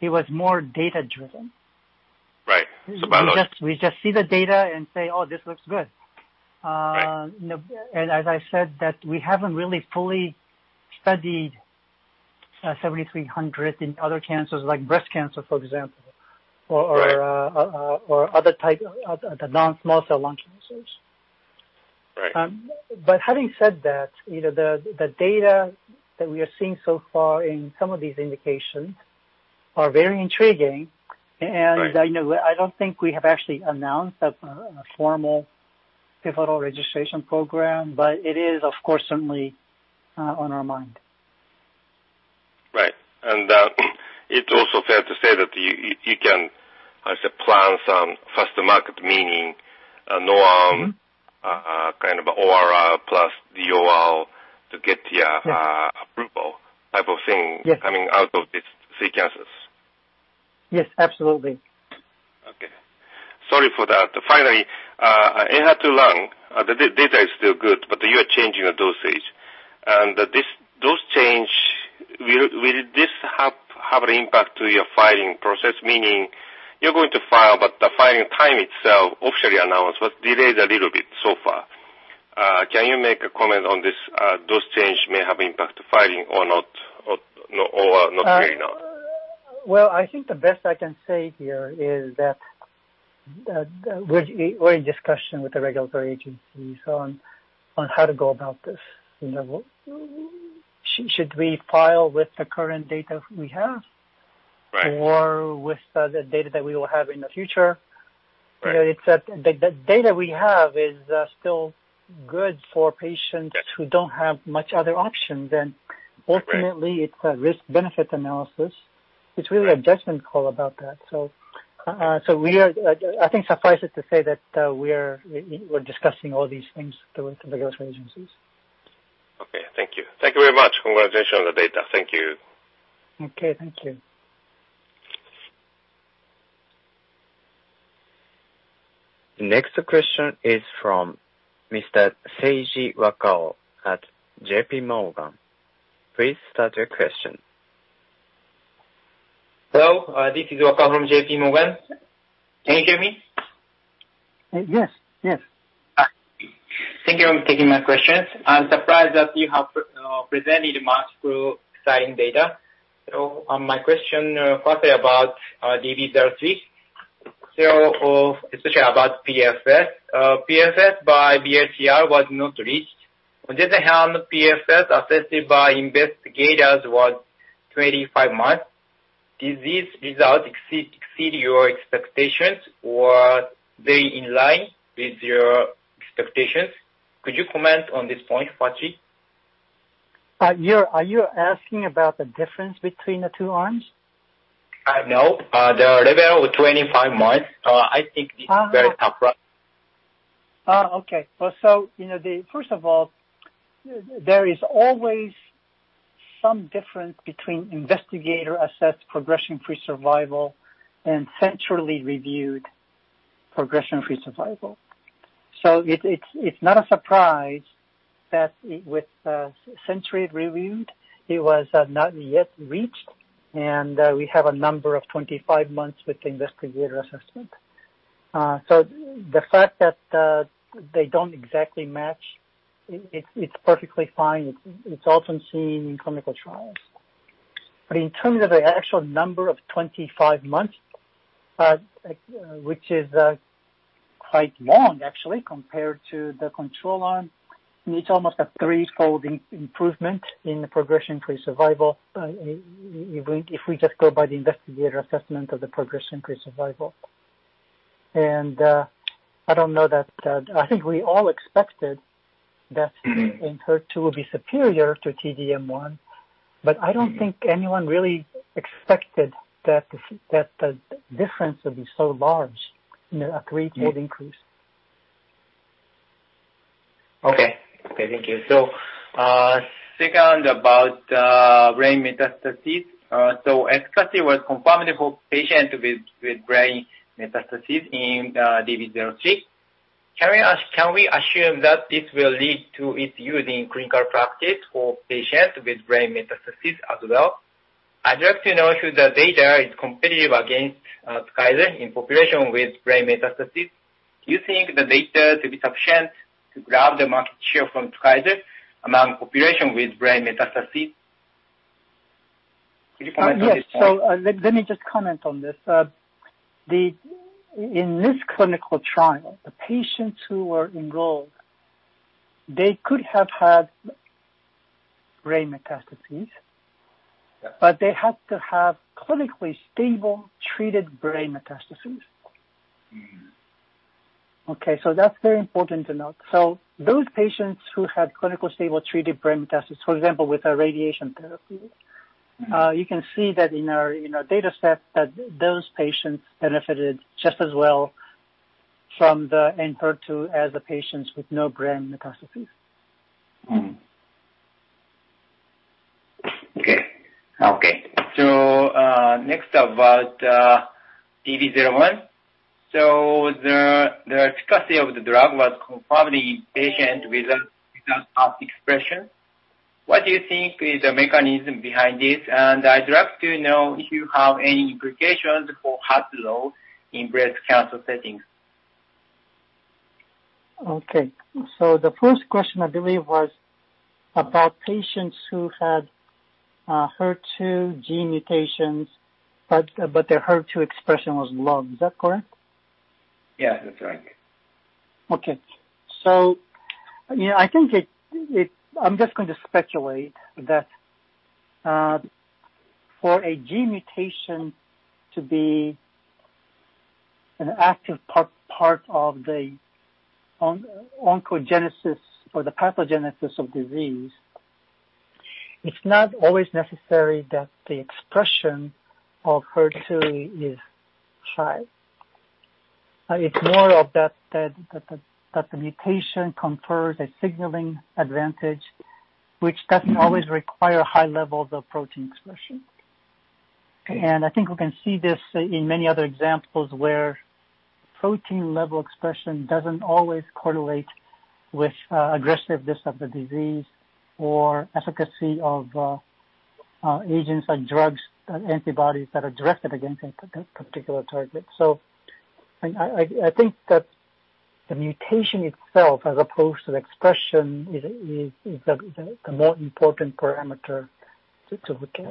It was more data-driven. Right. biological. We just see the data and say, "Oh, this looks good. Right. As I said that we haven't really fully studied DS-7300 in other cancers like breast cancer, for example. Right. Other types of the non-small cell lung cancers. Right. Having said that, the data that we are seeing so far in some of these indications are very intriguing. Right. I don't think we have actually announced a formal pivotal registration program, but it is of course, certainly, on our mind. Right. It's also fair to say that you can plan some faster market, meaning no kind of ORR plus DOR to get the approval type of thing. Yes. coming out of these three cancers. Yes, absolutely. Okay. Sorry for that. Finally, ENHERTU lung, the data is still good, but you are changing your dosage. This dose change, will this have an impact to your filing process? Meaning you're going to file, but the filing time itself officially announced was delayed a little bit so far. Can you make a comment on this dose change may have impact to filing or not, or not really, no? Well, I think the best I can say here is that we're in discussion with the regulatory agencies on how to go about this. Should we file with the current data we have? Right. With the data that we will have in the future? Right. The data we have is still good for patients who don't have much other option than ultimately it's a risk-benefit analysis. It's really a judgment call about that. I think suffice it to say that we're discussing all these things through the regulatory agencies. Okay. Thank you. Thank you very much. Congratulations on the data. Thank you. Okay. Thank you. The next question is from Mr. Seiji Wakao at JPMorgan. Please start your question. Hello. This is Wakao from JPMorgan. Can you hear me? Yes. Thank you for taking my questions. I'm surprised that you have presented much through exciting data. My question, firstly, about DB-03. Especially about PFS. PFS by BICR was not reached. On the other hand, PFS assessed by investigators was 25 months. Did these results exceed your expectations, or were they in line with your expectations? Could you comment on this point, [Takeshita]? Are you asking about the difference between the two arms? No, the level of 25 months. I think it's very top line. First of all, there is always some difference between investigator-assessed progression-free survival and centrally reviewed progression-free survival. It's not a surprise that with centrally reviewed, it was not yet reached, and we have a number of 25 months with the investigator assessment. The fact that they don't exactly match, it's perfectly fine. It's often seen in clinical trials. In terms of the actual number of 25 months, which is quite long actually compared to the control arm, it's almost a three-fold improvement in the progression-free survival, if we just go by the investigator assessment of the progression-free survival. I think we all expected that ENHERTU would be superior to T-DM1, but I don't think anyone really expected that the difference would be so large in a three-fold increase. Okay. Thank you. Second about brain metastases. Efficacy was confirmed for patients with brain metastases in DB-03. Can we assume that this will lead to its use in clinical practice for patients with brain metastases as well? I'd like to know if the data is competitive against Pfizer in population with brain metastases. Do you think the data will be sufficient to grab the market share from Pfizer among population with brain metastases? Could you comment on this point? Yes. Let me just comment on this. In this clinical trial, the patients who were enrolled, they could have had brain metastases. Yeah. They had to have clinically stable, treated brain metastases. Okay, that's very important to note. Those patients who had clinical stable, treated brain metastases, for example, with a radiation therapy. You can see that in our data set, that those patients benefited just as well from the ENHERTU as the patients with no brain metastases. Okay. Next about DB-01. The efficacy of the drug was confirmed in patients with HER2 expression. What do you think is the mechanism behind this? I'd like to know if you have any implications for high load in breast cancer settings. Okay. The first question, I believe, was about patients who had HER2 gene mutations, but their HER2 expression was low. Is that correct? Yeah, that's right. Okay. I'm just going to speculate that for a gene mutation to be an active part of the oncogenesis or the pathogenesis of disease, it's not always necessary that the expression of HER2 is high. It's more of that the mutation confers a signaling advantage, which doesn't always require high levels of protein expression. Okay. I think we can see this in many other examples where protein-level expression doesn't always correlate with aggressiveness of the disease or efficacy of agents like drugs, antibodies that are directed against a particular target. I think that the mutation itself, as opposed to the expression, is the more important parameter to look at.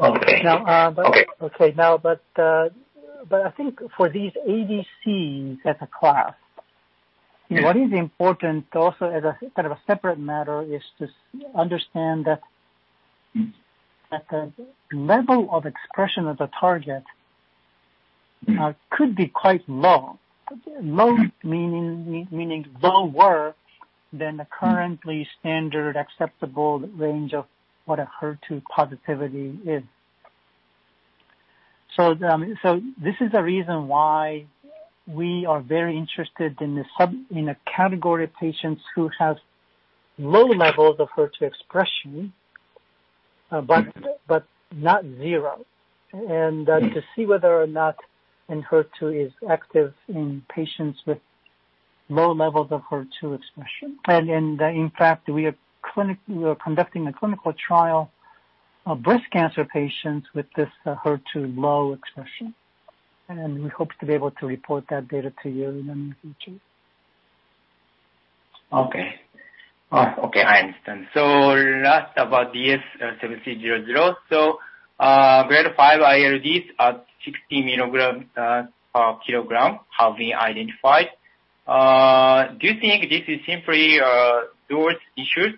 Okay. Okay. Now, I think for these ADCs as a class. What is important also as a kind of a separate matter is to understand that the level of expression of the target could be quite low. Low meaning lower than the currently standard acceptable range of what a HER2 positivity is. This is the reason why we are very interested in a category of patients who have low levels of HER2 expression, but not zero, and to see whether or not ENHERTU is active in patients with low levels of HER2 expression. In fact, we are conducting a clinical trial of breast cancer patients with this HER2 low expression, and we hope to be able to report that data to you in the near future. Okay. I understand. Last about DS-7300. Grade 5 ILDs at 16 mg per kg have been identified. Do you think this is simply a dose issue,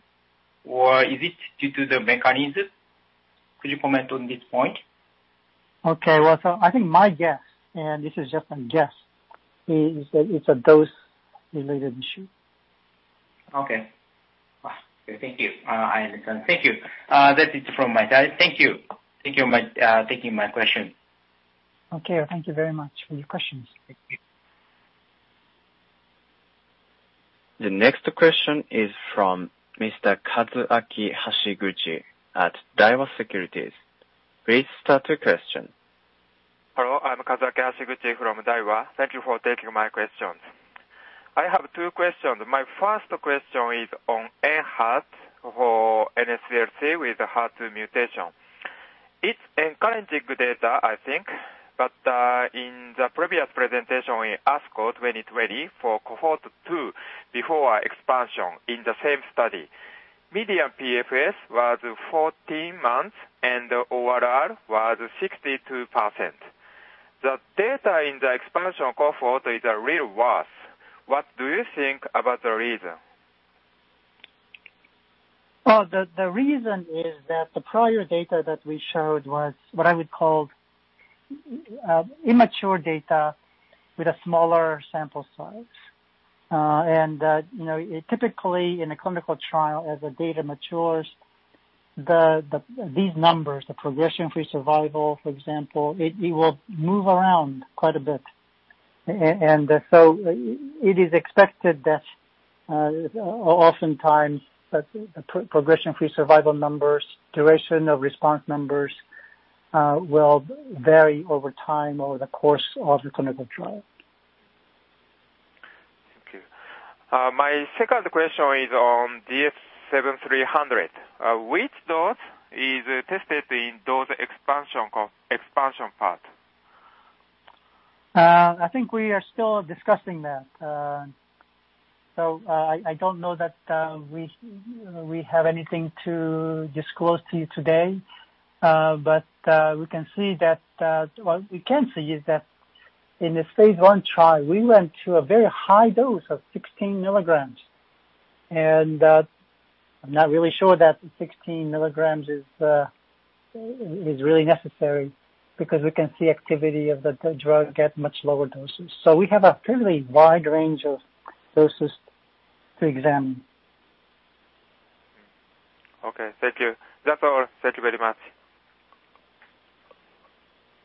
or is it due to the mechanism? Could you comment on this point? Okay. Well, I think my guess, and this is just a guess, is that it's a dose-related issue. Okay. Thank you. I understand. Thank you. That is it from my side. Thank you. Thank you for taking my question. Okay. Thank you very much for your questions. Thank you. The next question is from Mr. Kazuaki Hashiguchi at Daiwa Securities. Please start the question. Hello, I'm Kazuaki Hashiguchi from Daiwa. Thank you for taking my question. I have two questions. My first question is on ENHERTU for NSCLC with ERBB2 mutation. It's encouraging data, I think, but in the previous presentation in ASCO 2020 for Cohort 2, before expansion in the same study, median PFS was 14 months and the ORR was 62%. The data in the expansion cohort is a real loss. What do you think about the reason? The reason is that the prior data that we showed was what I would call immature data with a smaller sample size. Typically, in a clinical trial, as the data matures, these numbers, the progression-free survival, for example, it will move around quite a bit. It is expected that oftentimes, progression-free survival numbers, duration of response numbers will vary over time over the course of the clinical trial. Thank you. My second question is on DS-7300. Which dose is tested in dose expansion part? I think we are still discussing that. I don't know that we have anything to disclose to you today. What we can say is that in the phase I trial, we went to a very high dose of 16 mg, and I'm not really sure that 16 mg is really necessary because we can see activity of the drug at much lower doses. We have a fairly wide range of doses to examine. Okay. Thank you. That's all. Thank you very much.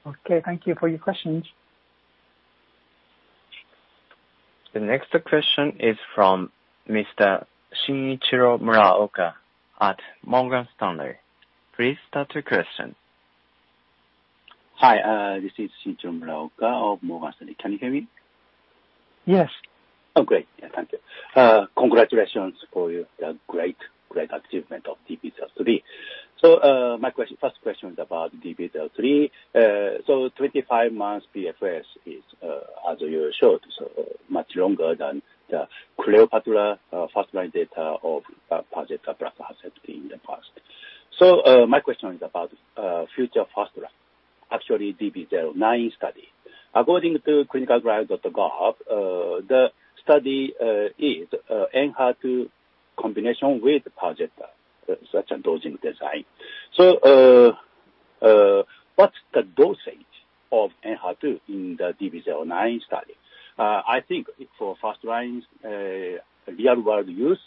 Okay. Thank you for your questions. The next question is from Mr. Shinichiro Muraoka at Morgan Stanley. Please start your question. Hi, this is Shinichiro Muraoka of Morgan Stanley. Can you hear me? Yes. Oh, great. Thank you. Congratulations for your great achievement of DB-03. My first question is about DB-03. 25 months PFS is, as you showed, much longer than the CLEOPATRA first-line data of pertuzumab plus trastuzumab in the past. My question is about future first-line, actually DB-09 study. According to ClinicalTrials.gov, the study is ENHERTU combination with pertuzumab, such a dosing design. What's the dosage of ENHERTU in the DB-09 study? I think for first lines, real world use,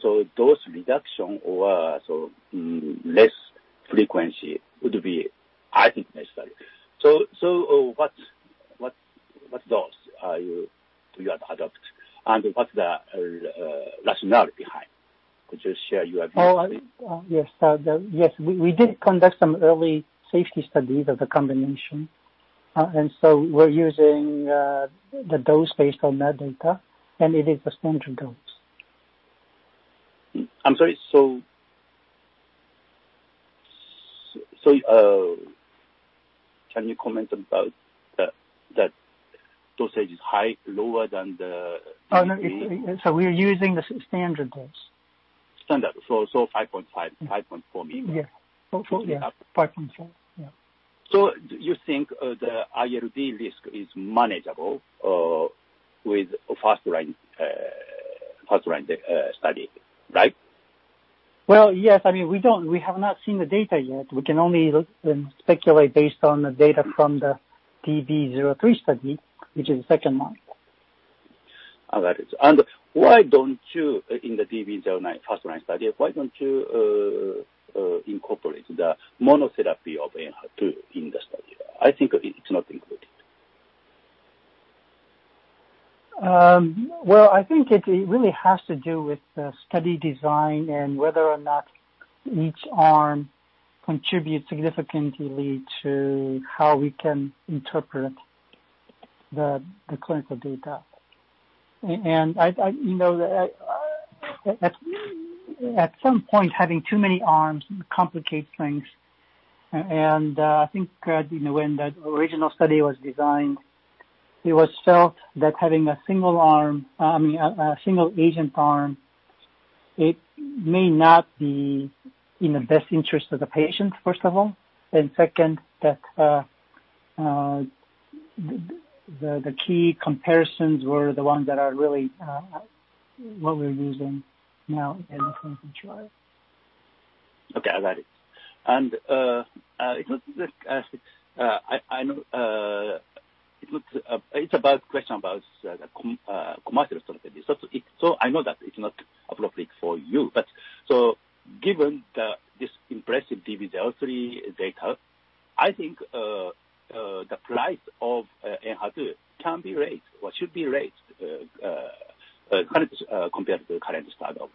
so dose reduction or less frequency would be, I think, necessary. What dose do you adopt, and what's the rationale behind? Could you share your view? Oh, yes. We did conduct some early safety studies of the combination. We're using the dose based on that data, and it is the standard dose. I'm sorry. Can you comment about that dosage is lower than the. Oh, no. We are using the standard dose. Standard. So, 5.5mg, 5.4 mg? Yeah. Totally up. 5.4. Yeah. Do you think the ILD risk is manageable with first line study, right? Well, yes. I mean, we have not seen the data yet. We can only speculate based on the data from the DB-03 study, which is the second one. I got it. Why don't you, in the DB-09 first line study, why don't you incorporate the monotherapy of ENHERTU in the study? I think it's not included. Well, I think it really has to do with the study design and whether or not each arm contributes significantly to how we can interpret the clinical data. At some point, having too many arms complicates things. I think when the original study was designed, it was felt that having a single-agent arm, it may not be in the best interest of the patients, first of all. Second, that the key comparisons were the ones that are really what we're using now in the phase III trial. Okay. I got it. It's about a question about the commercial side of it. I know that it's not appropriate for you. Given this impressive DB-03 data, I think the price of ENHERTU can be raised or should be raised compared to the current standard of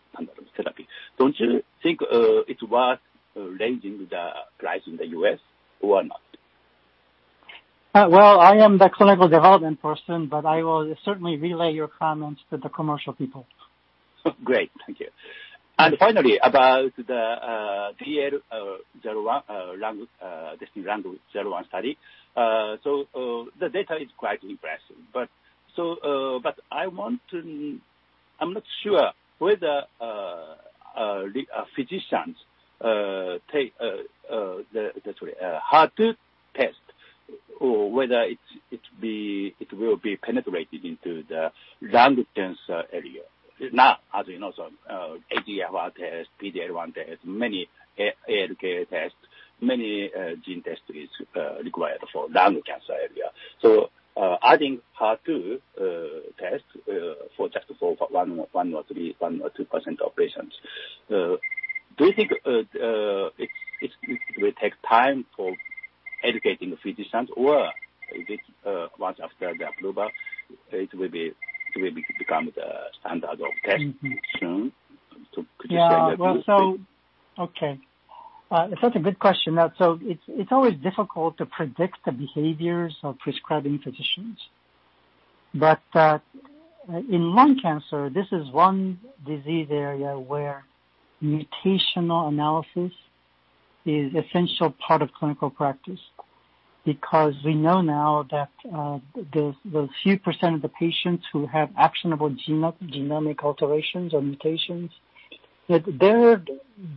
therapy. Don't you think it's worth raising the price in the U.S. or not? Well, I am the clinical development person, but I will certainly relay your comments to the commercial people. Great. Thank you. Finally, about the DL-01 DESTINY-Lung01 study. The data is quite impressive. I'm not sure whether physicians take the ENHERTU test or whether it will be penetrated into the lung cancer area. Now, as you know, EGFR test, PD-L1 test, many ALK tests, many gene tests are required for lung cancer area. Adding ENHERTU test for just for 1% or 2% of patients, do you think it will take time for educating the physicians, or once after the approval, it will become the standard of care soon? Could you share your view? That's a good question. It's always difficult to predict the behaviors of prescribing physicians. In lung cancer, this is one disease area where mutational analysis is essential part of clinical practice. We know now that those few % of the patients who have actionable genomic alterations or mutations, that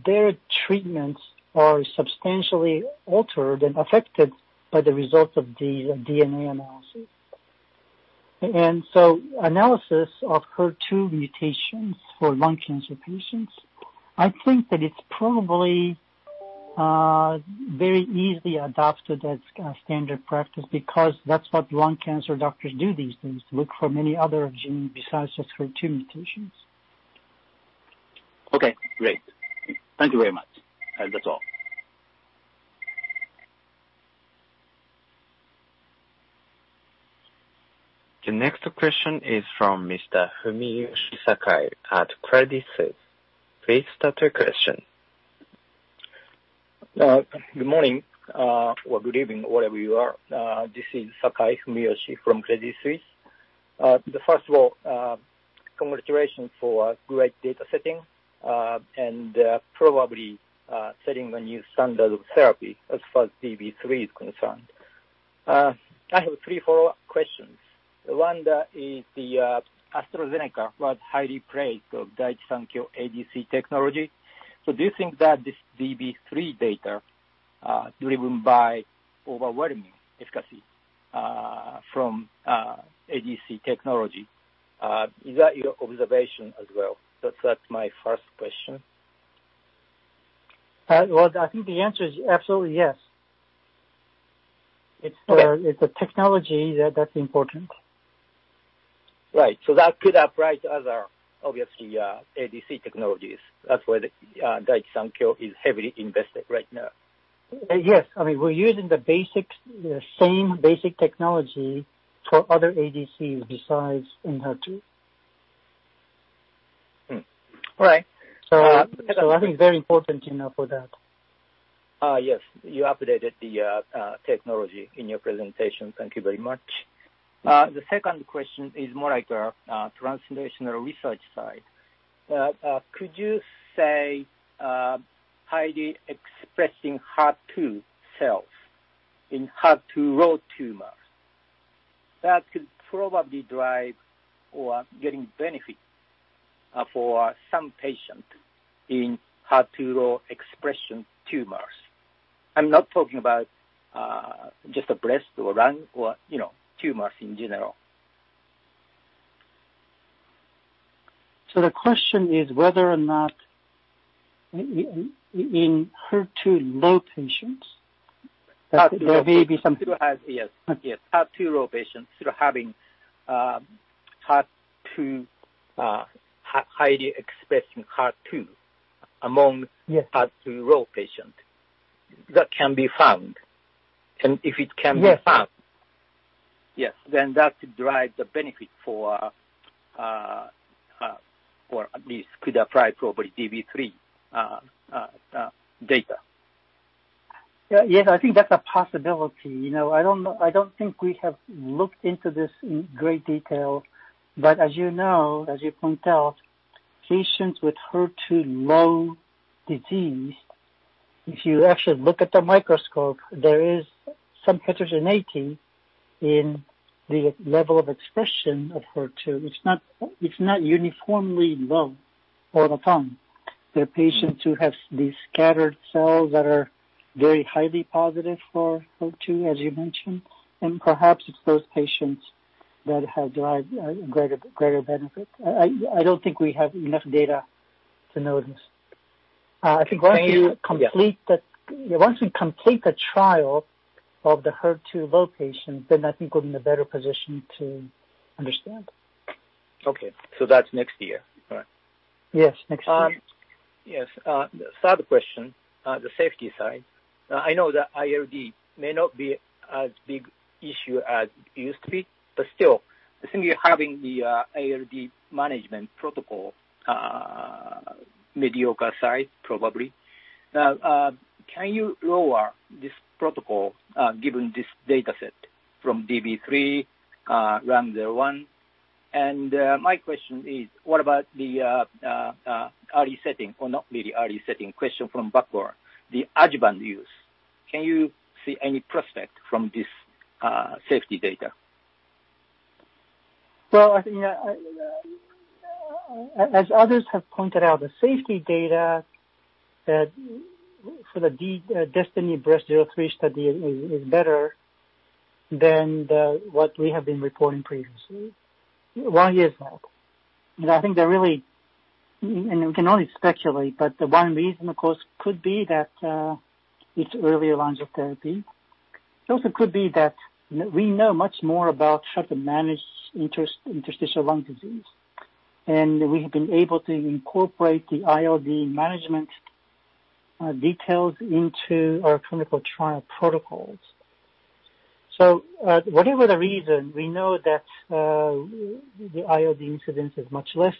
their treatments are substantially altered and affected by the results of these DNA analysis. Analysis of HER2 mutations for lung cancer patients, I think that it's probably very easily adopted as standard practice because that's what lung cancer doctors do these days, look for many other genes besides just HER2 mutations. Okay, great. Thank you very much. That's all. The next question is from Mr. Fumiyoshi Sakai at Credit Suisse. Please start your question. Good morning or good evening, wherever you are. This is Fumiyoshi Sakai from Credit Suisse. First of all, congratulations for great data setting and probably setting a new standard of therapy as far as DB-03 is concerned. I have three follow-up questions. One is the AstraZeneca was highly praised of Daiichi Sankyo ADC technology. Do you think that this DB-03 data, driven by overwhelming efficacy from ADC technology, is that your observation as well? That's my first question. Well, I think the answer is absolutely yes. It's the technology that's important. Right. That could apply to other, obviously, ADC technologies. That's where Daiichi Sankyo is heavily invested right now. Yes. We're using the same basic technology for other ADCs besides ENHERTU. Right. I think very important for that. Yes. You updated the technology in your presentation. Thank you very much. The second question is more like a translational research side. Could you say highly expressing HER2 cells in HER2 low tumors, that could probably drive or getting benefit for some patient in HER2 low expression tumors? I'm not talking about just breast or lung or tumors in general. The question is whether or not in HER2 low patients, there may be. Yes. HER2 low patients who are having highly expressing HER2 among. Yes. HER2 low patient. That can be found. Yes. Yes, that could drive the benefit for at least probably DB-03 data. Yes, I think that's a possibility. I don't think we have looked into this in great detail, but as you know, as you point out, patients with HER2-low disease, if you actually look at the microscope, there is some heterogeneity in the level of expression of HER2. It's not uniformly low all the time. There are patients who have these scattered cells that are very highly positive for HER2, as you mentioned, and perhaps it's those patients that have derived a greater benefit. I don't think we have enough data to notice. I think. *crosstalk* Yeah Once we complete the trial of the HER2-low patients, then I think we're in a better position to understand. Okay. That's next year, correct? Yes, next year. Yes. Third question, the safety side. I know the ILD may not be as big issue as it used to be, but still, I think you're having the ILD management protocol, mitigation side, probably. Can you lower this protocol given this data set from DB-03, ramucirumab? My question is, what about the early setting or not really early setting question from Buckhorn, the adjuvant use. Can you see any prospect from this safety data? Well, I think as others have pointed out, the safety data for the DESTINY-Breast03 study is better than what we have been reporting previously one year ago. I think, and we can only speculate, but the one reason, of course, could be that it's earlier lines of therapy. It also could be that we know much more about how to manage Interstitial Lung Disease. We have been able to incorporate the ILD management details into our clinical trial protocols. Whatever the reason, we know that the ILD incidence is much less,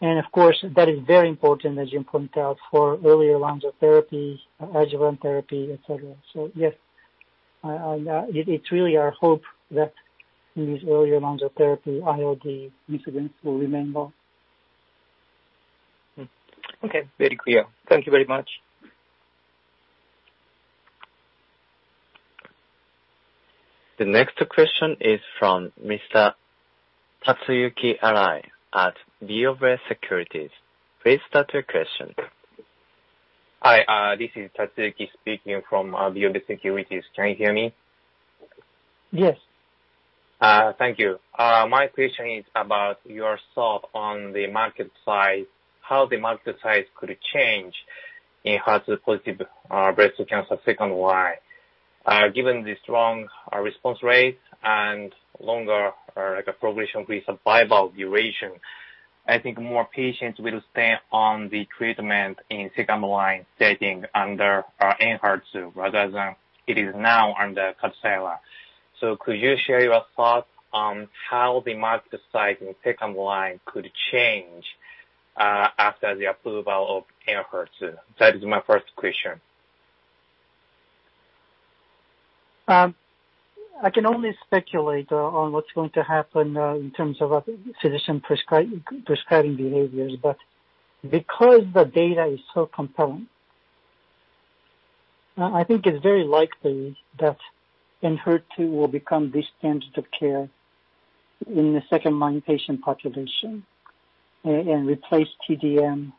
and of course, that is very important, as you point out, for earlier lines of therapy, adjuvant therapy, et cetera. Yes, it's really our hope that in these earlier lines of therapy, ILD incidence will remain low. Okay. Very clear. Thank you very much. The next question is from Mr. Tatsuyuki Arai at BofA Securities. Please start your question. Hi, this is Tatsuyuki speaking from BofA Securities. Can you hear me? Yes. Thank you. My question is about your thought on the market size, how the market size could change in HER2-positive breast cancer second line. Given the strong response rate and longer progression-free survival duration, I think more patients will stay on the treatment in second-line setting under ENHERTU rather than it is now under KADCYLA. Could you share your thoughts on how the market size in second line could change after the approval of ENHERTU? That is my first question. I can only speculate on what's going to happen in terms of physician prescribing behaviors. Because the data is so compelling, I think it's very likely that ENHERTU will become the standard of care in the second-line patient population and replace T-DM1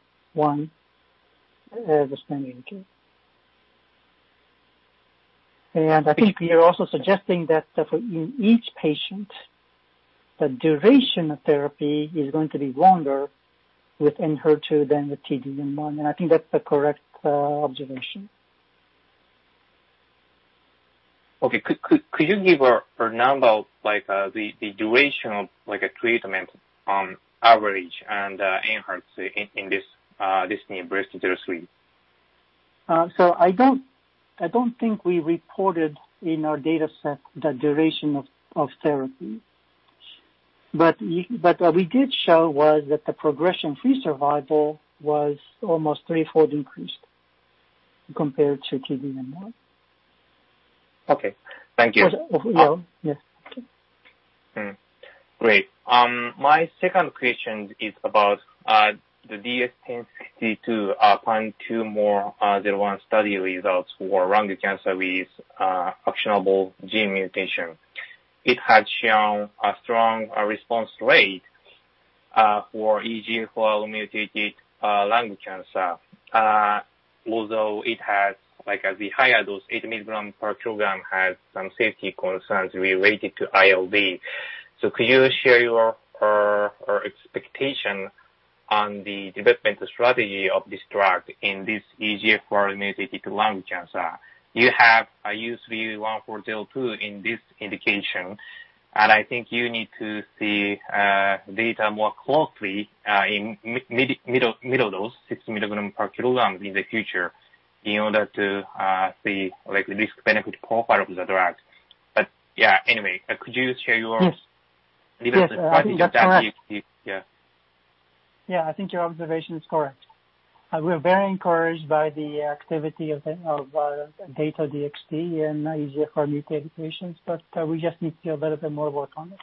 as the standard of care. I think you're also suggesting that for each patient, the duration of therapy is going to be longer with ENHERTU than with T-DM1, and I think that's the correct observation. Okay. Could you give a number of the duration of a treatment on average and ENHERTU in this new DESTINY-Breast03 therapy? I don't think we reported in our data set the duration of therapy. What we did show was that the progression-free survival was almost threefold increased compared to T-DM1. Okay. Thank you. Yes. Great. My second question is about the DS-1062 TROPION-PanTumor01 study results for lung cancer with actionable gene mutation. It had shown a strong response rate for EGFR-mutated lung cancer. Although, like the higher dose, 8 mg per kg, has some safety concerns related to ILD. Could you share your expectation on the development strategy of this drug in this EGFR-mutated lung cancer? You have a U3-1402 in this indication, and I think you need to see data more closely in middle dose, 60 mg per kg in the future in order to see like the risk-benefit profile of the drug. Yeah, anyway, could you share your- Yes. Development strategy. *crosstalk* I think that's correct. Yeah. Yeah, I think your observation is correct. We're very encouraged by the activity of our Dato-DXd in EGFR mutated patients, but we just need to do a little bit more work on it.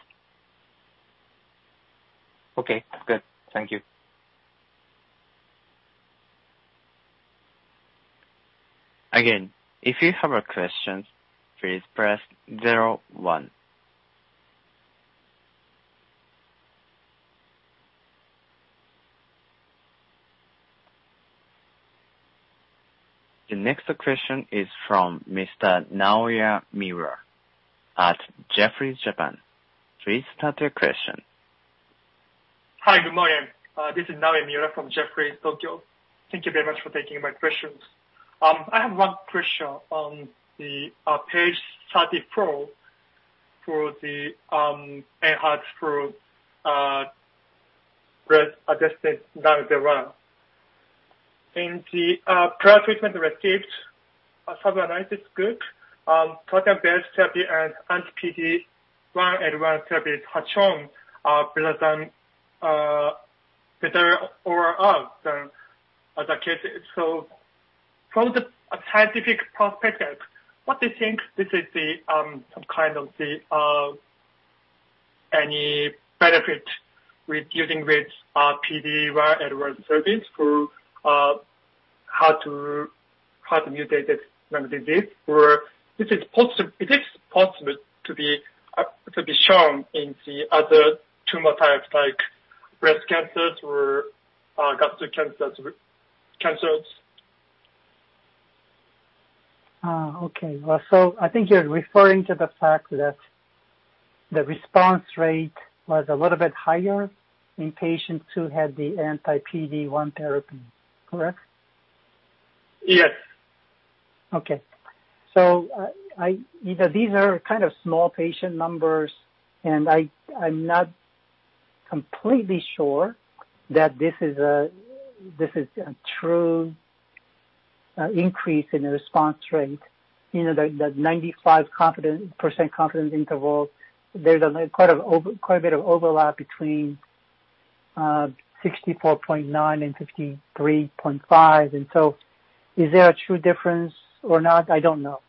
Okay, good. Thank you. The next question is from Mr. Naoya Miura at Jefferies Japan. Please start your question. Hi, good morning. This is Naoya Miura from Jefferies, Tokyo. Thank you very much for taking my questions. I have one question on page 34 for the ENHERTU for breast-adjusted 0.0. In the prior treatment received, a sub-analysis group, targeted therapy and anti-PD-1/L1 therapy had shown better ORR than other cases. From the scientific perspective, what do you think this is any benefit with using with PD-1/L1 therapy for HER2-mutant disease? Or is it possible to be shown in the other tumor types, like breast cancers or gastric cancers? I think you're referring to the fact that the response rate was a little bit higher in patients who had the anti-PD-1 therapy. Correct? Yes. Okay. These are kind of small patient numbers, I'm not completely sure that this is a true increase in the response rate. The 95% confidence interval, there's quite a bit of overlap between 64.9 and 53.5. Is there a true difference or not? I don't know.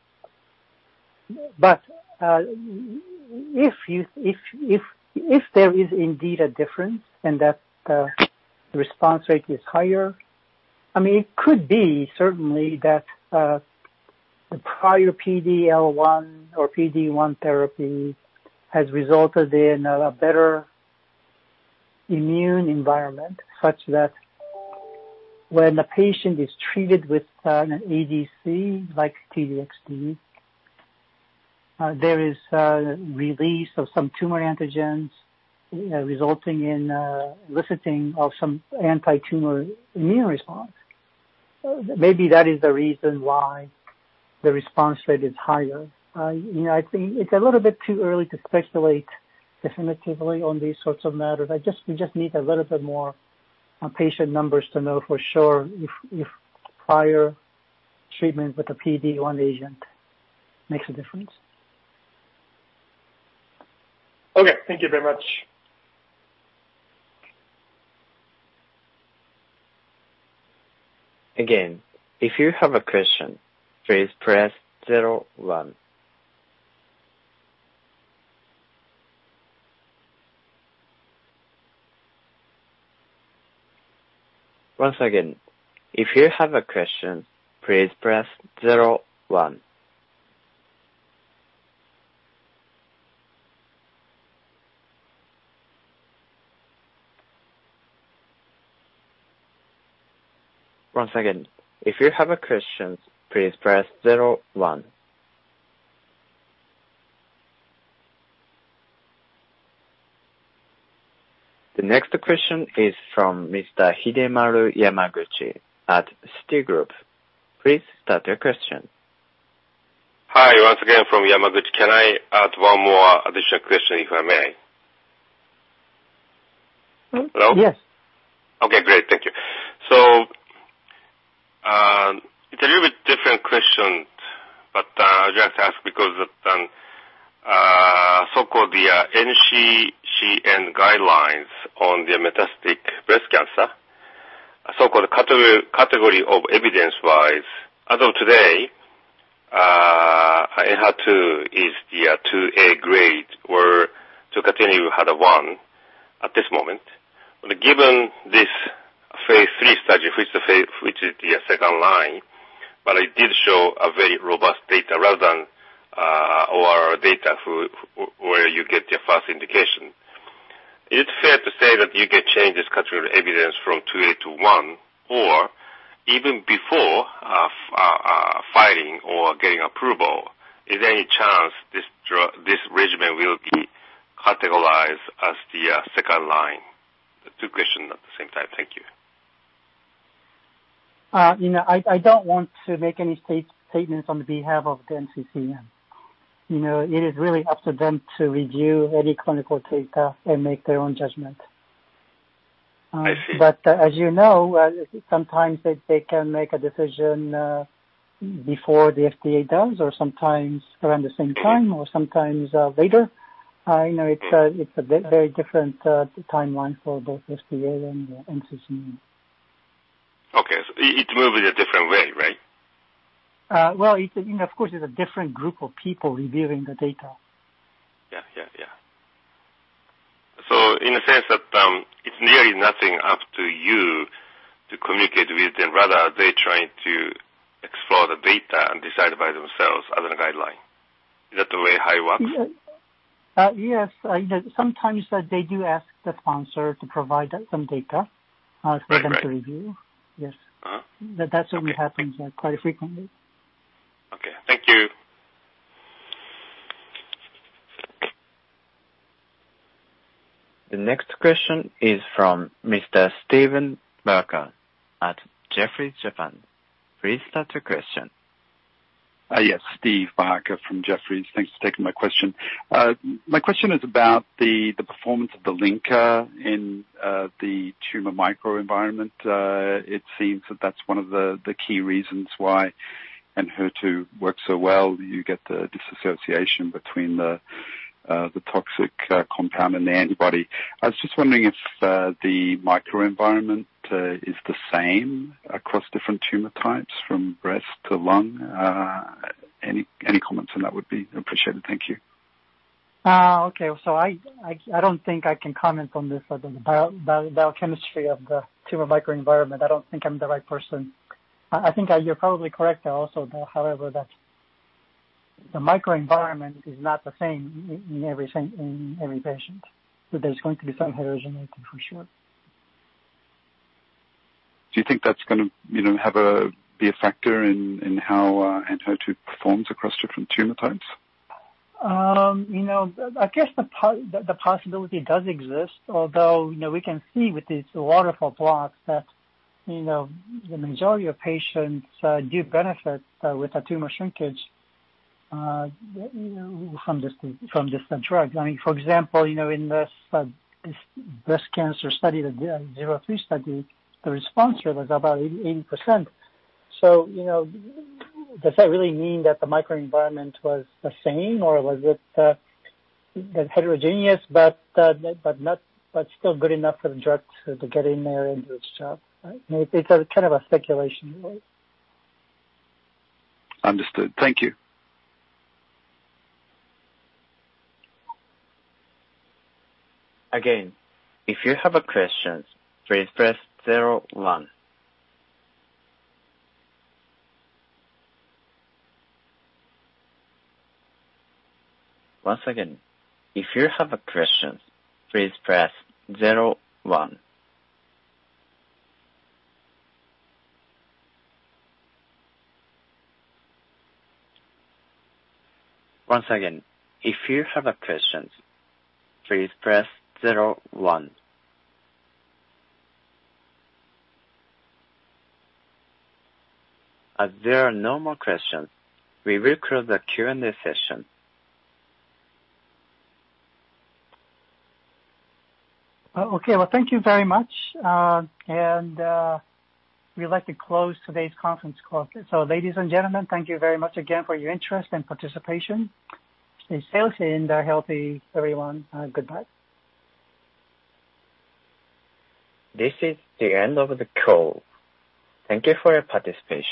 If there is indeed a difference and that the response rate is higher, it could be certainly that the prior PD-L1 or PD-1 therapy has resulted in a better immune environment, such that when the patient is treated with an ADC like T-DXd, there is a release of some tumor antigens, resulting in eliciting of some anti-tumor immune response. Maybe that is the reason why the response rate is higher. It's a little bit too early to speculate definitively on these sorts of matters. We just need a little bit more patient numbers to know for sure if prior treatment with a PD-1 agent makes a difference. Okay. Thank you very much. The next question is from Mr. Hidemaru Yamaguchi at Citigroup. Please start your question. Hi, once again from Yamaguchi. Can I add one more additional question, if I may? Hello? Yes. Okay, great. Thank you. It's a little bit different question, but I'll just ask because of so-called the NCCN guidelines on the metastatic breast cancer. Category of evidence-wise, as of today, ENHERTU is the 2A grade, where tucatinib had a one at this moment. Given this phase III study, which is the second line, but it did show a very robust data rather than our data where you get your first indication. It's fair to say that you can change this category evidence from Grade 2A to Grade 1, or even before filing or getting approval, is there any chance this regimen will be categorized as the second line? Two questions at the same time. Thank you. I don't want to make any statements on behalf of the NCCN. It is really up to them to review any clinical data and make their own judgment. As you know, sometimes they can make a decision before the FDA does, or sometimes around the same time, or sometimes later. I know it's a very different timeline for both FDA and the NCCN. Okay. It moves in a different way, right? Well, of course, it's a different group of people reviewing the data. Yeah. In a sense that it's nearly nothing up to you to communicate with them. Rather, they're trying to explore the data and decide by themselves as a guideline. Is that the way how it works? Yes. Sometimes they do ask the sponsor to provide some data. for them to review. Yes. Right That's what happens quite frequently. Okay. Thank you. The next question is from Mr. Stephen Barker at Jefferies Japan. Please start your question. Yes, Steve Barker from Jefferies. Thanks for taking my question. My question is about the performance of the linker in the tumor microenvironment. It seems that that's one of the key reasons why ENHERTU works so well, you get the disassociation between the toxic compound and the antibody. I was just wondering if the microenvironment is the same across different tumor types, from breast to lung? Any comments on that would be appreciated. Thank you. Okay. I don't think I can comment on this, on the biochemistry of the tumor microenvironment. I don't think I'm the right person. I think you're probably correct also, however, that the microenvironment is not the same in every patient. There's going to be some heterogeneity for sure. Do you think that's going to be a factor in how ENHERTU performs across different tumor types? I guess the possibility does exist. We can see with these waterfall plots that the majority of patients do benefit with a tumor shrinkage from just the drug. For example, in this breast cancer study, the DB-03 study, the response rate was about 88%. Does that really mean that the microenvironment was the same, or was it heterogeneous but still good enough for the drug to get in there and do its job? It's kind of a speculation. Understood. Thank you. As there are no more questions, we will close the Q&A session. Okay. Well, thank you very much. We'd like to close today's conference call. Ladies and gentlemen, thank you very much again for your interest and participation. Stay safe and healthy, everyone. Goodbye. This is the end of the call. Thank you for your participation.